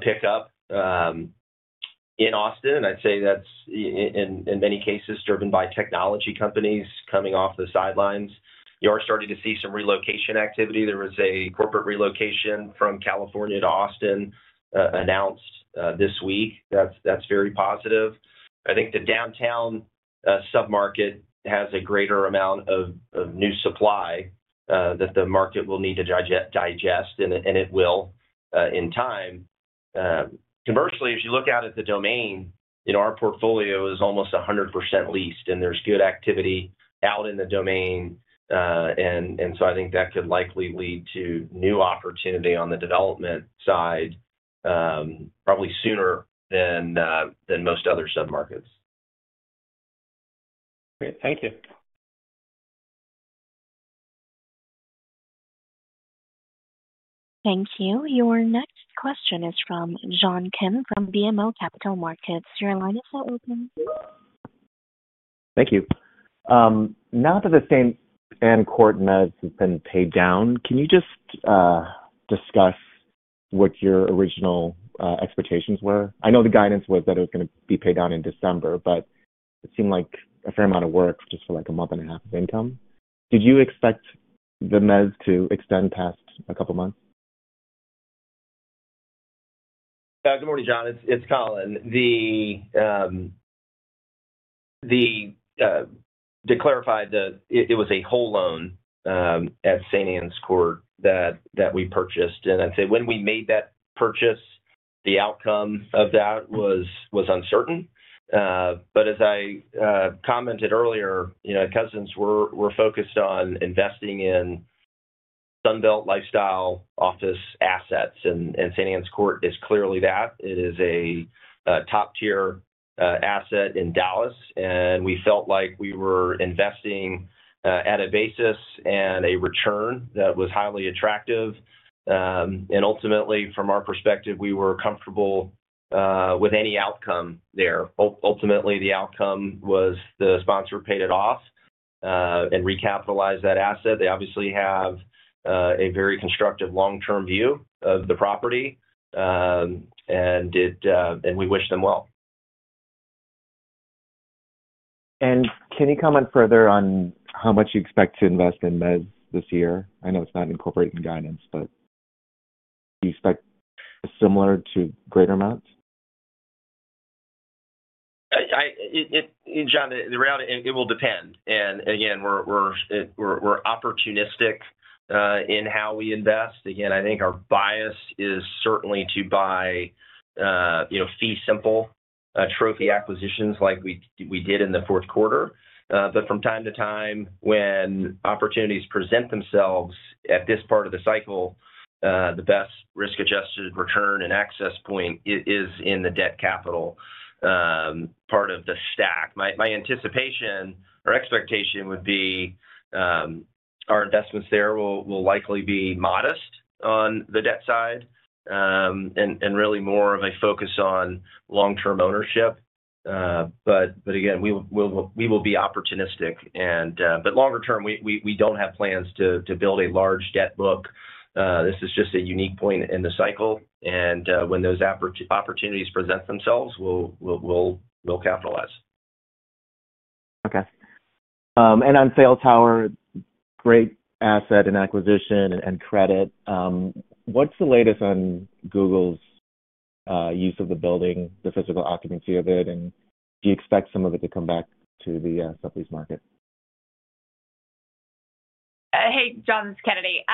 Speaker 3: pick up in Austin. I'd say that's in many cases driven by technology companies coming off the sidelines. You are starting to see some relocation activity. There was a corporate relocation from California to Austin announced this week. That's very positive. I think the downtown submarket has a greater amount of new supply that the market will need to digest, and it will in time. Conversely, as you look at it, the Domain in our portfolio is almost 100% leased, and there's good activity out in the Domain. So I think that could likely lead to new opportunity on the development side probably sooner than most other submarkets.
Speaker 10: Great. Thank you.
Speaker 1: Thank you. Your next question is from John Kim from BMO Capital Markets. Your line is now open.
Speaker 11: Thank you. Now that the Saint Ann Court mezz have been paid down, can you just discuss what your original expectations were? I know the guidance was that it was going to be paid down in December, but it seemed like a fair amount of work just for like a month and a half of income. Did you expect the mezz to extend past a couple of months?
Speaker 3: Good morning, John. It's Colin. To clarify, it was a whole loan at Saint Ann Court that we purchased. And I'd say when we made that purchase, the outcome of that was uncertain. But as I commented earlier, Cousins were focused on investing in Sun Belt lifestyle office assets, and Saint Ann Court is clearly that. It is a top-tier asset in Dallas, and we felt like we were investing at a basis and a return that was highly attractive. And ultimately, from our perspective, we were comfortable with any outcome there. Ultimately, the outcome was the sponsor paid it off and recapitalized that asset. They obviously have a very constructive long-term view of the property, and we wish them well.
Speaker 11: Can you comment further on how much you expect to invest in mezz this year? I know it's not incorporated in guidance, but do you expect similar or greater amounts?
Speaker 3: John, the reality is it will depend. And again, we're opportunistic in how we invest. Again, I think our bias is certainly to buy fee simple trophy acquisitions like we did in the fourth quarter. But from time to time, when opportunities present themselves at this part of the cycle, the best risk-adjusted return and access point is in the debt capital part of the stack. My anticipation or expectation would be our investments there will likely be modest on the debt side and really more of a focus on long-term ownership. But again, we will be opportunistic. But longer term, we don't have plans to build a large debt book. This is just a unique point in the cycle. And when those opportunities present themselves, we'll capitalize.
Speaker 11: Okay. And on Sail Tower, great asset and acquisition and credit. What's the latest on Google's use of the building, the physical occupancy of it? And do you expect some of it to come back to the sublease market?
Speaker 5: Hey, John, this is Kennedy.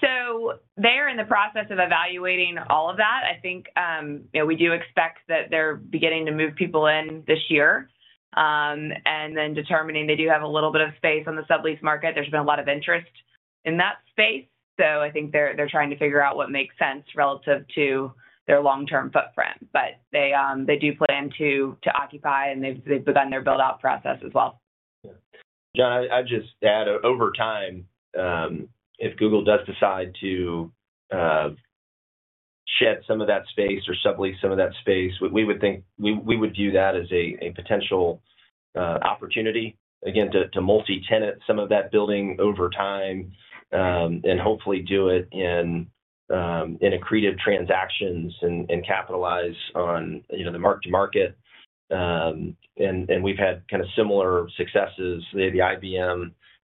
Speaker 5: So they are in the process of evaluating all of that. I think we do expect that they're beginning to move people in this year and then determining they do have a little bit of space on the sublease market. There's been a lot of interest in that space. So I think they're trying to figure out what makes sense relative to their long-term footprint. But they do plan to occupy, and they've begun their build-out process as well.
Speaker 3: Yeah. John, I'd just add over time, if Google does decide to shed some of that space or sublease some of that space, we would view that as a potential opportunity, again, to multi-tenant some of that building over time and hopefully do it in accretive transactions and capitalize on the mark-to-market. And we've had kind of similar successes. The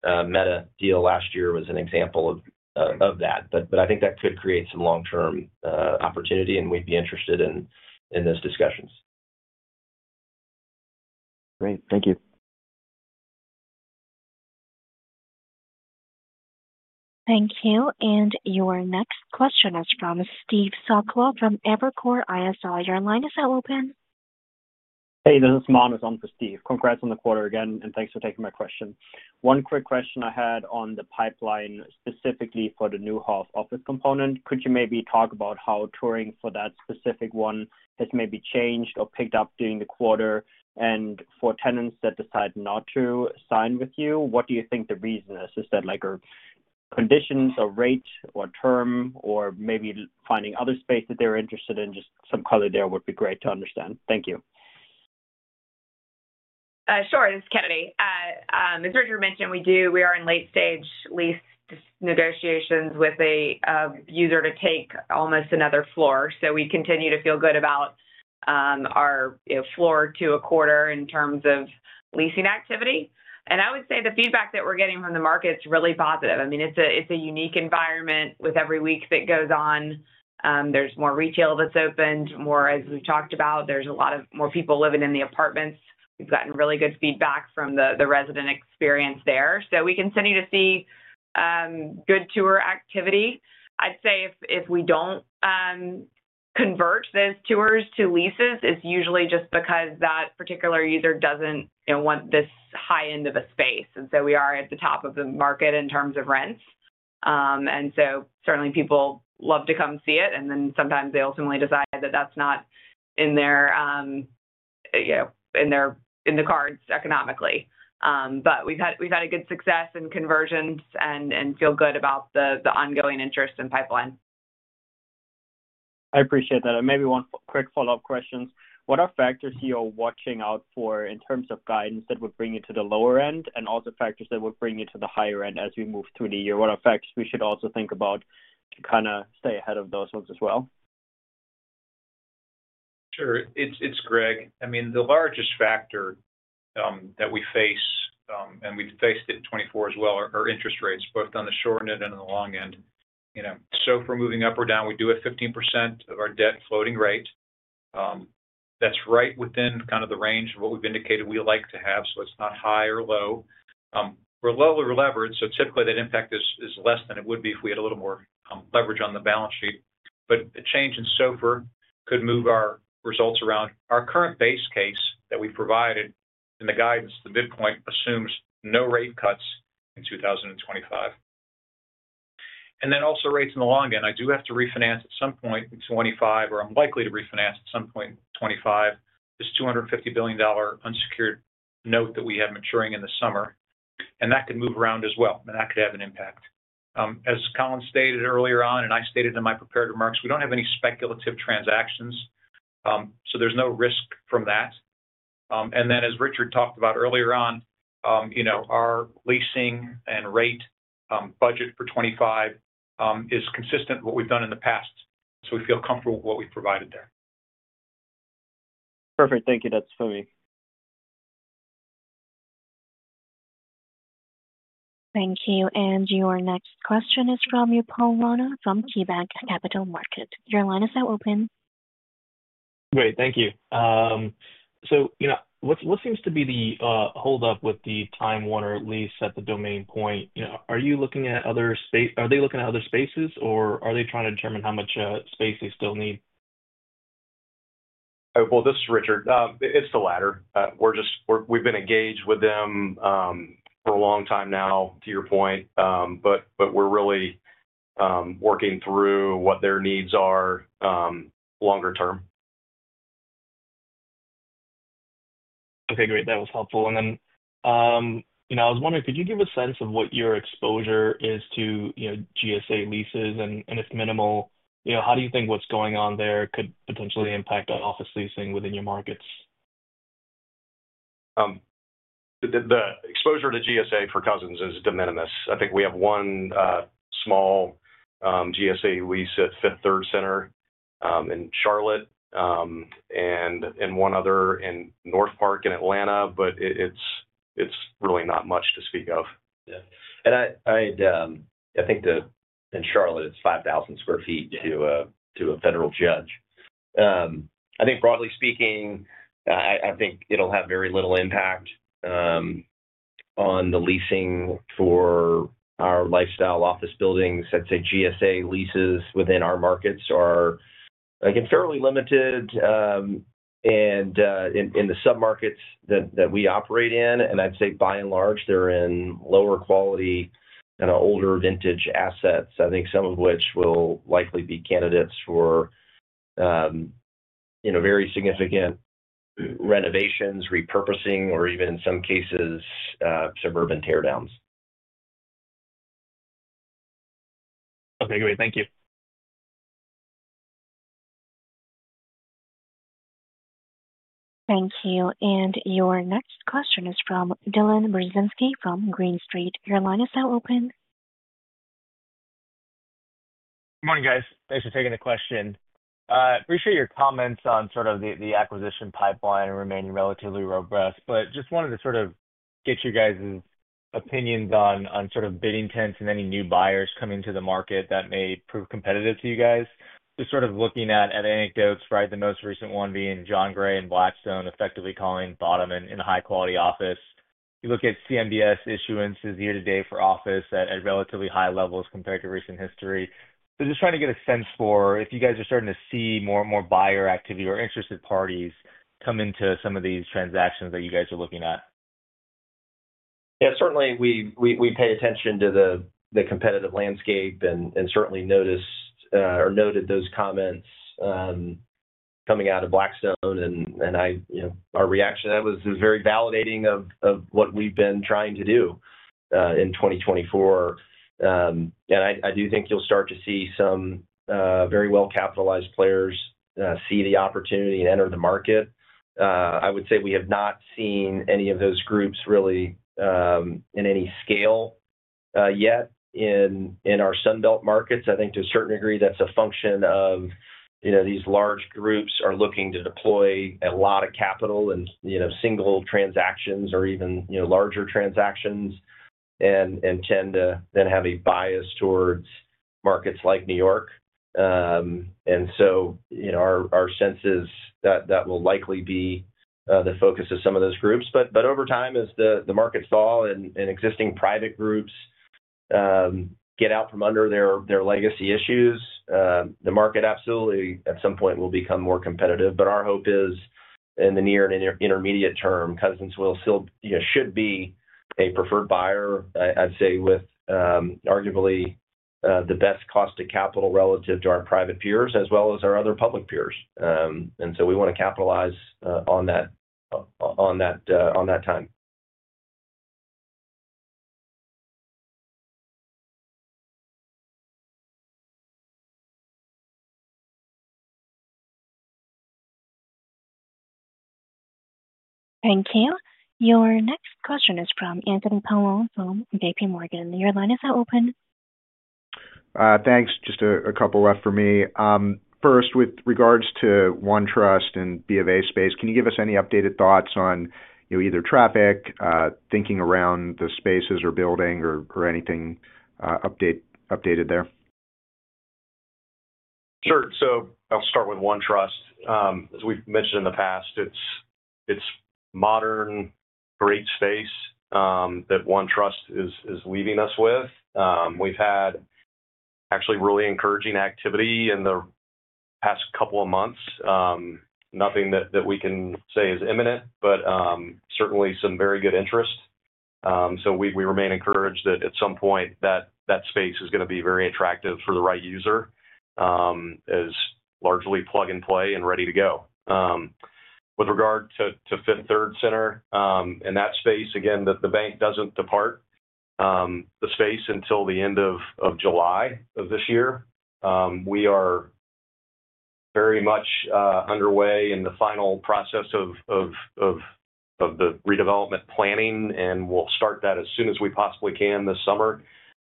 Speaker 3: IBM-Meta deal last year was an example of that. But I think that could create some long-term opportunity, and we'd be interested in those discussions.
Speaker 11: Great. Thank you.
Speaker 1: Thank you. And your next question is from Steve Sakwa from Evercore ISI. Your line is now open.
Speaker 12: Hey, this is Manus on for Steve. Congrats on the quarter again, and thanks for taking my question. One quick question I had on the pipeline specifically for the Neuhoff office component. Could you maybe talk about how touring for that specific one has maybe changed or picked up during the quarter? And for tenants that decide not to sign with you, what do you think the reason is? Is that conditions or rate or term or maybe finding other space that they're interested in? Just some color there would be great to understand. Thank you.
Speaker 5: Sure. This is Kennedy. As Richard mentioned, we are in late-stage lease negotiations with a user to take almost another floor. So we continue to feel good about our floor to a quarter in terms of leasing activity. And I would say the feedback that we're getting from the market is really positive. I mean, it's a unique environment with every week that goes on. There's more retail that's opened. More, as we've talked about, there's a lot more people living in the apartments. We've gotten really good feedback from the resident experience there. So we continue to see good tour activity. I'd say if we don't convert those tours to leases, it's usually just because that particular user doesn't want this high end of a space. And so we are at the top of the market in terms of rents. And so certainly, people love to come see it, and then sometimes they ultimately decide that that's not in their cards economically. But we've had a good success in conversions and feel good about the ongoing interest in pipeline.
Speaker 12: I appreciate that. And maybe one quick follow-up question. What are factors you're watching out for in terms of guidance that would bring you to the lower end and also factors that would bring you to the higher end as we move through the year? What are factors we should also think about to kind of stay ahead of those ones as well?
Speaker 6: Sure. It's Gregg. I mean, the largest factor that we face, and we've faced it in 2024 as well, are interest rates, both on the short end and on the long end. So if we're moving up or down, we do have 15% of our debt floating rate. That's right within kind of the range of what we've indicated we like to have, so it's not high or low. We're lowly levered, so typically that impact is less than it would be if we had a little more leverage on the balance sheet. But a change in SOFR could move our results around. Our current base case that we provided in the guidance, the midpoint assumes no rate cuts in 2025. And then also rates in the long end. I do have to refinance at some point in 2025, or I'm likely to refinance at some point in 2025, this $250 million unsecured note that we have maturing in the summer. And that could move around as well, and that could have an impact. As Colin stated earlier on, and I stated in my prepared remarks, we don't have any speculative transactions, so there's no risk from that. And then, as Richard talked about earlier on, our leasing and rate budget for 2025 is consistent with what we've done in the past, so we feel comfortable with what we've provided there.
Speaker 12: Perfect. Thank you. That's for me.
Speaker 1: Thank you. And your next question is from Upal Rana from KeyBanc Capital Markets. Your line is now open.
Speaker 13: Great. Thank you. What seems to be the holdup with the Time Warner lease at Domain Point? Are they looking at other spaces, or are they trying to determine how much space they still need?
Speaker 4: This is Richard. It's the latter. We've been engaged with them for a long time now, to your point, but we're really working through what their needs are longer term.
Speaker 13: Okay. Great. That was helpful. And then I was wondering, could you give a sense of what your exposure is to GSA leases? And if minimal, how do you think what's going on there could potentially impact office leasing within your markets?
Speaker 4: The exposure to GSA for Customs is de minimis. I think we have one small GSA lease at Fifth Third Center in Charlotte and one other in Northpark in Atlanta, but it's really not much to speak of.
Speaker 3: Yeah, and I think in Charlotte, it's 5,000 sq ft to a federal judge. I think broadly speaking, I think it'll have very little impact on the leasing for our lifestyle office buildings. I'd say GSA leases within our markets are, again, fairly limited in the submarkets that we operate in. And I'd say by and large, they're in lower quality and older vintage assets. I think some of which will likely be candidates for very significant renovations, repurposing, or even in some cases, suburban teardowns.
Speaker 13: Okay. Great. Thank you.
Speaker 1: Thank you. And your next question is from Dylan Burzinski from Green Street. Your line is now open.
Speaker 14: Good morning, guys. Thanks for taking the question. Appreciate your comments on sort of the acquisition pipeline remaining relatively robust, but just wanted to sort of get you guys' opinions on sort of bidding trends and any new buyers coming to the market that may prove competitive to you guys. Just sort of looking at anecdotes, right? The most recent one being John Gray and Blackstone effectively calling bottom in a high-quality office. You look at CMBS issuances here today for office at relatively high levels compared to recent history. So just trying to get a sense for if you guys are starting to see more and more buyer activity or interested parties come into some of these transactions that you guys are looking at.
Speaker 3: Yeah. Certainly, we pay attention to the competitive landscape and certainly noticed or noted those comments coming out of Blackstone and our reaction. That was very validating of what we've been trying to do in 2024. And I do think you'll start to see some very well-capitalized players see the opportunity and enter the market. I would say we have not seen any of those groups really in any scale yet in our Sun Belt markets. I think to a certain degree, that's a function of these large groups are looking to deploy a lot of capital in single transactions or even larger transactions and tend to then have a bias towards markets like New York. And so our sense is that will likely be the focus of some of those groups. But over time, as the markets fall and existing private groups get out from under their legacy issues, the market absolutely at some point will become more competitive. But our hope is in the near and intermediate term, Cousins will still be a preferred buyer, I'd say, with arguably the best cost of capital relative to our private peers as well as our other public peers. And so we want to capitalize on that time.
Speaker 1: Thank you. Your next question is from Anthony Paolone from JPMorgan. Your line is now open.
Speaker 15: Thanks. Just a couple left for me. First, with regards to OneTrust and B of A space, can you give us any updated thoughts on either traffic, thinking around the spaces or building or anything updated there?
Speaker 6: Sure. So I'll start with OneTrust. As we've mentioned in the past, it's modern, great space that OneTrust is leaving us with. We've had actually really encouraging activity in the past couple of months. Nothing that we can say is imminent, but certainly some very good interest. So we remain encouraged that at some point that space is going to be very attractive for the right user as largely plug and play and ready to go. With regard to Fifth Third Center in that space, again, the bank doesn't depart the space until the end of July of this year. We are very much underway in the final process of the redevelopment planning, and we'll start that as soon as we possibly can this summer.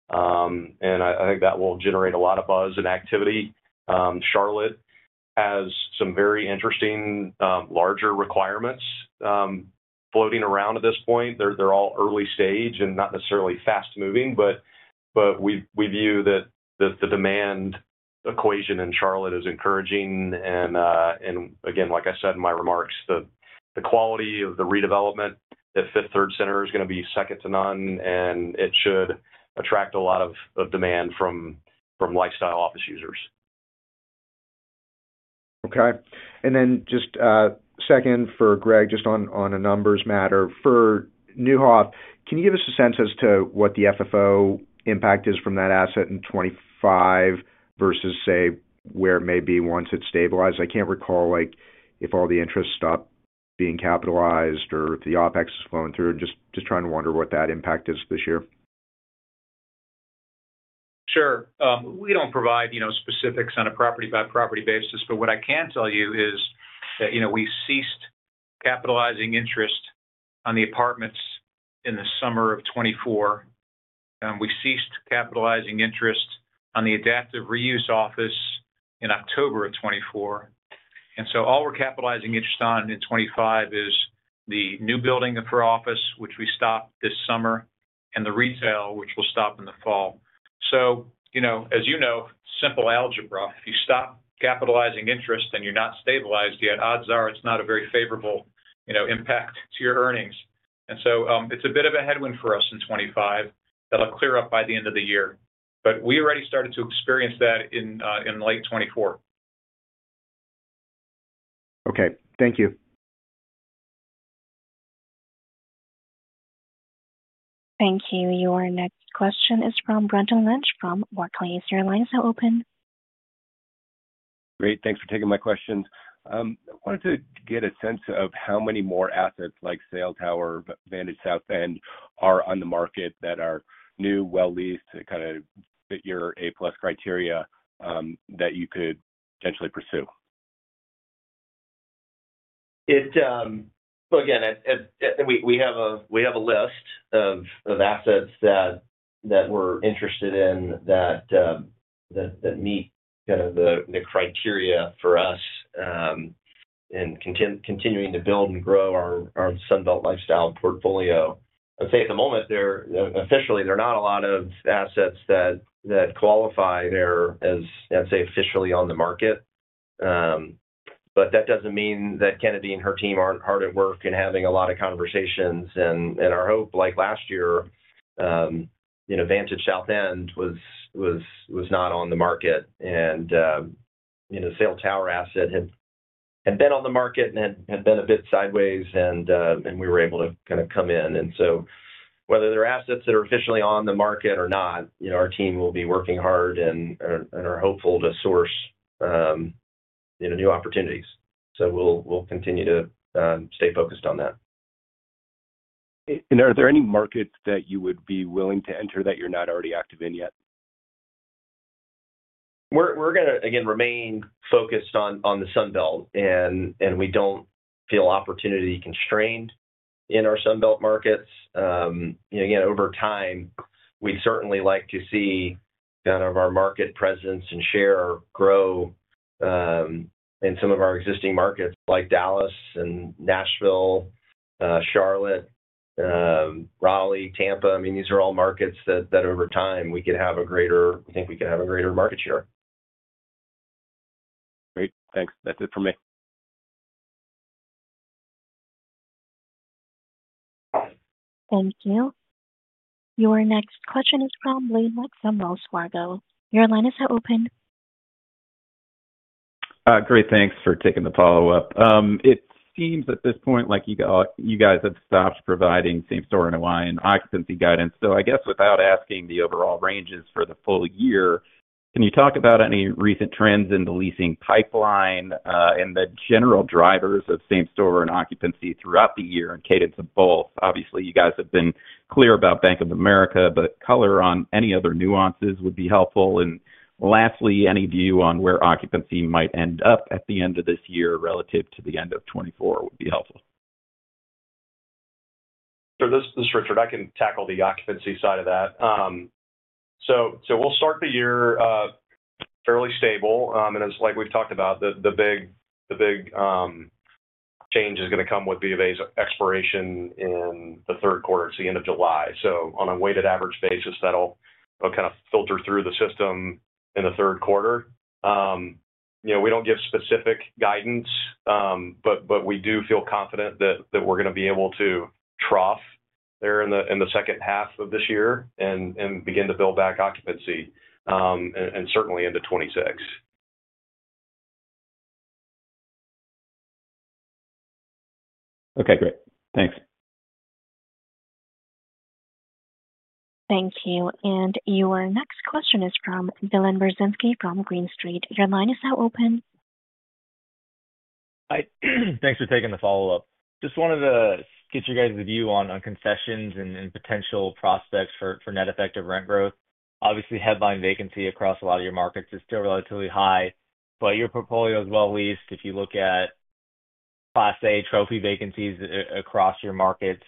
Speaker 6: And I think that will generate a lot of buzz and activity. Charlotte has some very interesting larger requirements floating around at this point. They're all early stage and not necessarily fast-moving, but we view that the demand equation in Charlotte is encouraging and again, like I said in my remarks, the quality of the redevelopment at Fifth Third Center is going to be second to none, and it should attract a lot of demand from lifestyle office users.
Speaker 15: Okay. And then just second for Gregg, just on a numbers matter, for Neuhoff, can you give us a sense as to what the FFO impact is from that asset in 2025 versus, say, where it may be once it's stabilized? I can't recall if all the interest stopped being capitalized or if the OpEx is flowing through. Just trying to wonder what that impact is this year.
Speaker 6: Sure. We don't provide specifics on a property-by-property basis, but what I can tell you is that we ceased capitalizing interest on the apartments in the summer of 2024. We ceased capitalizing interest on the adaptive reuse office in October of 2024. And so all we're capitalizing interest on in 2025 is the new building for office, which we stopped this summer, and the retail, which will stop in the fall. So as you know, simple algebra, if you stop capitalizing interest and you're not stabilized yet, odds are it's not a very favorable impact to your earnings. And so it's a bit of a headwind for us in 2025 that'll clear up by the end of the year. But we already started to experience that in late 2024.
Speaker 15: Okay. Thank you.
Speaker 1: Thank you. Your next question is from Brendan Lynch from Barclays. Your line is now open.
Speaker 16: Great. Thanks for taking my questions. I wanted to get a sense of how many more assets like Sail Tower, Vantage South End, are on the market that are new, well-leased, kind of fit your A-plus criteria that you could potentially pursue?
Speaker 3: Again, we have a list of assets that we're interested in that meet kind of the criteria for us in continuing to build and grow our Sun Belt lifestyle portfolio. I'd say at the moment, officially, there are not a lot of assets that qualify there as, I'd say, officially on the market. But that doesn't mean that Kennedy and her team aren't hard at work and having a lot of conversations. And our hope, like last year, Vantage South End was not on the market. And the Sail Tower asset had been on the market and had been a bit sideways, and we were able to kind of come in. And so whether there are assets that are officially on the market or not, our team will be working hard and are hopeful to source new opportunities. So we'll continue to stay focused on that.
Speaker 16: Are there any markets that you would be willing to enter that you're not already active in yet?
Speaker 3: We're going to, again, remain focused on the Sun Belt, and we don't feel opportunity constrained in our Sun Belt markets. Again, over time, we'd certainly like to see kind of our market presence and share grow in some of our existing markets like Dallas and Nashville, Charlotte, Raleigh, Tampa. I mean, these are all markets that over time, we could have a greater, I think we could have a greater market share.
Speaker 16: Great. Thanks. That's it for me.
Speaker 1: Thank you. Your next question is from Blaine Heck from Wells Fargo. Your line is now open.
Speaker 7: Great. Thanks for taking the follow-up. It seems at this point like you guys have stopped providing same-store NOI and occupancy guidance. So I guess without asking the overall ranges for the full year, can you talk about any recent trends in the leasing pipeline and the general drivers of same-store NOI and occupancy throughout the year and cadence of both? Obviously, you guys have been clear about Bank of America, but color on any other nuances would be helpful. And lastly, any view on where occupancy might end up at the end of this year relative to the end of 2024 would be helpful.
Speaker 4: Sure. This is Richard. I can tackle the occupancy side of that. So we'll start the year fairly stable, and it's like we've talked about, the big change is going to come with B of A's expiration in the third quarter, so the end of July, so on a weighted average basis, that'll kind of filter through the system in the third quarter. We don't give specific guidance, but we do feel confident that we're going to be able to trough there in the second half of this year and begin to build back occupancy and certainly into 2026.
Speaker 7: Okay. Great. Thanks.
Speaker 1: Thank you. And your next question is from Dylan Burzinski from Green Street. Your line is now open.
Speaker 14: Thanks for taking the follow-up. Just wanted to get you guys' view on concessions and potential prospects for net effective rent growth. Obviously, headline vacancy across a lot of your markets is still relatively high, but your portfolio is well-leased. If you look at Class A trophy vacancies across your markets,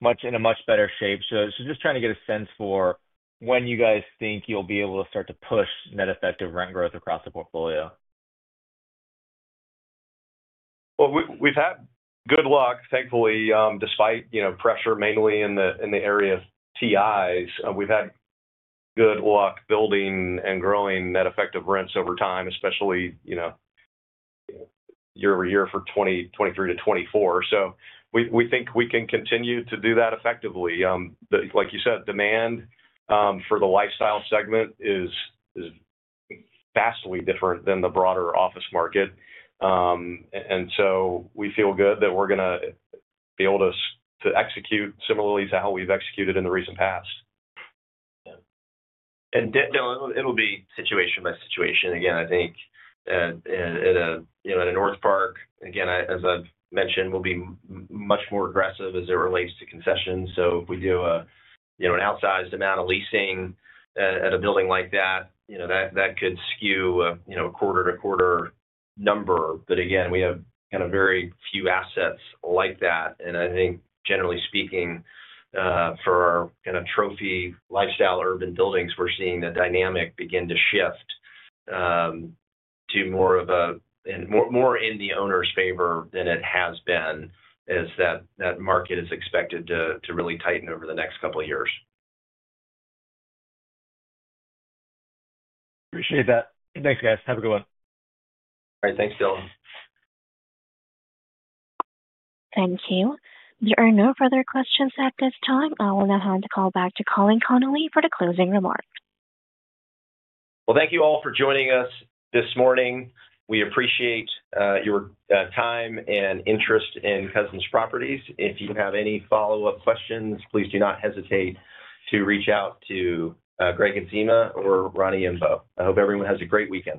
Speaker 14: they're in a much better shape. So just trying to get a sense for when you guys think you'll be able to start to push net effective rent growth across the portfolio.
Speaker 4: We've had good luck, thankfully, despite pressure mainly in the area of TIs. We've had good luck building and growing net effective rents over time, especially year-over-year for 2023 to 2024. We think we can continue to do that effectively. Like you said, demand for the lifestyle segment is vastly different than the broader office market. We feel good that we're going to be able to execute similarly to how we've executed in the recent past.
Speaker 3: It'll be situation by situation. Again, I think at Northpark, again, as I've mentioned, we'll be much more aggressive as it relates to concessions. So if we do an outsized amount of leasing at a building like that, that could skew a quarter-to-quarter number. But again, we have kind of very few assets like that. And I think, generally speaking, for our kind of trophy lifestyle urban buildings, we're seeing the dynamic begin to shift to more of a in the owner's favor than it has been as that market is expected to really tighten over the next couple of years.
Speaker 14: Appreciate that. Thanks, guys. Have a good one.
Speaker 3: All right. Thanks, Dylan.
Speaker 1: Thank you. There are no further questions at this time. I will now hand the call back to Colin Connolly for the closing remarks.
Speaker 3: Thank you all for joining us this morning. We appreciate your time and interest in Cousins Properties. If you have any follow-up questions, please do not hesitate to reach out to Gregg Adzema or Roni Imbeaux. I hope everyone has a great weekend.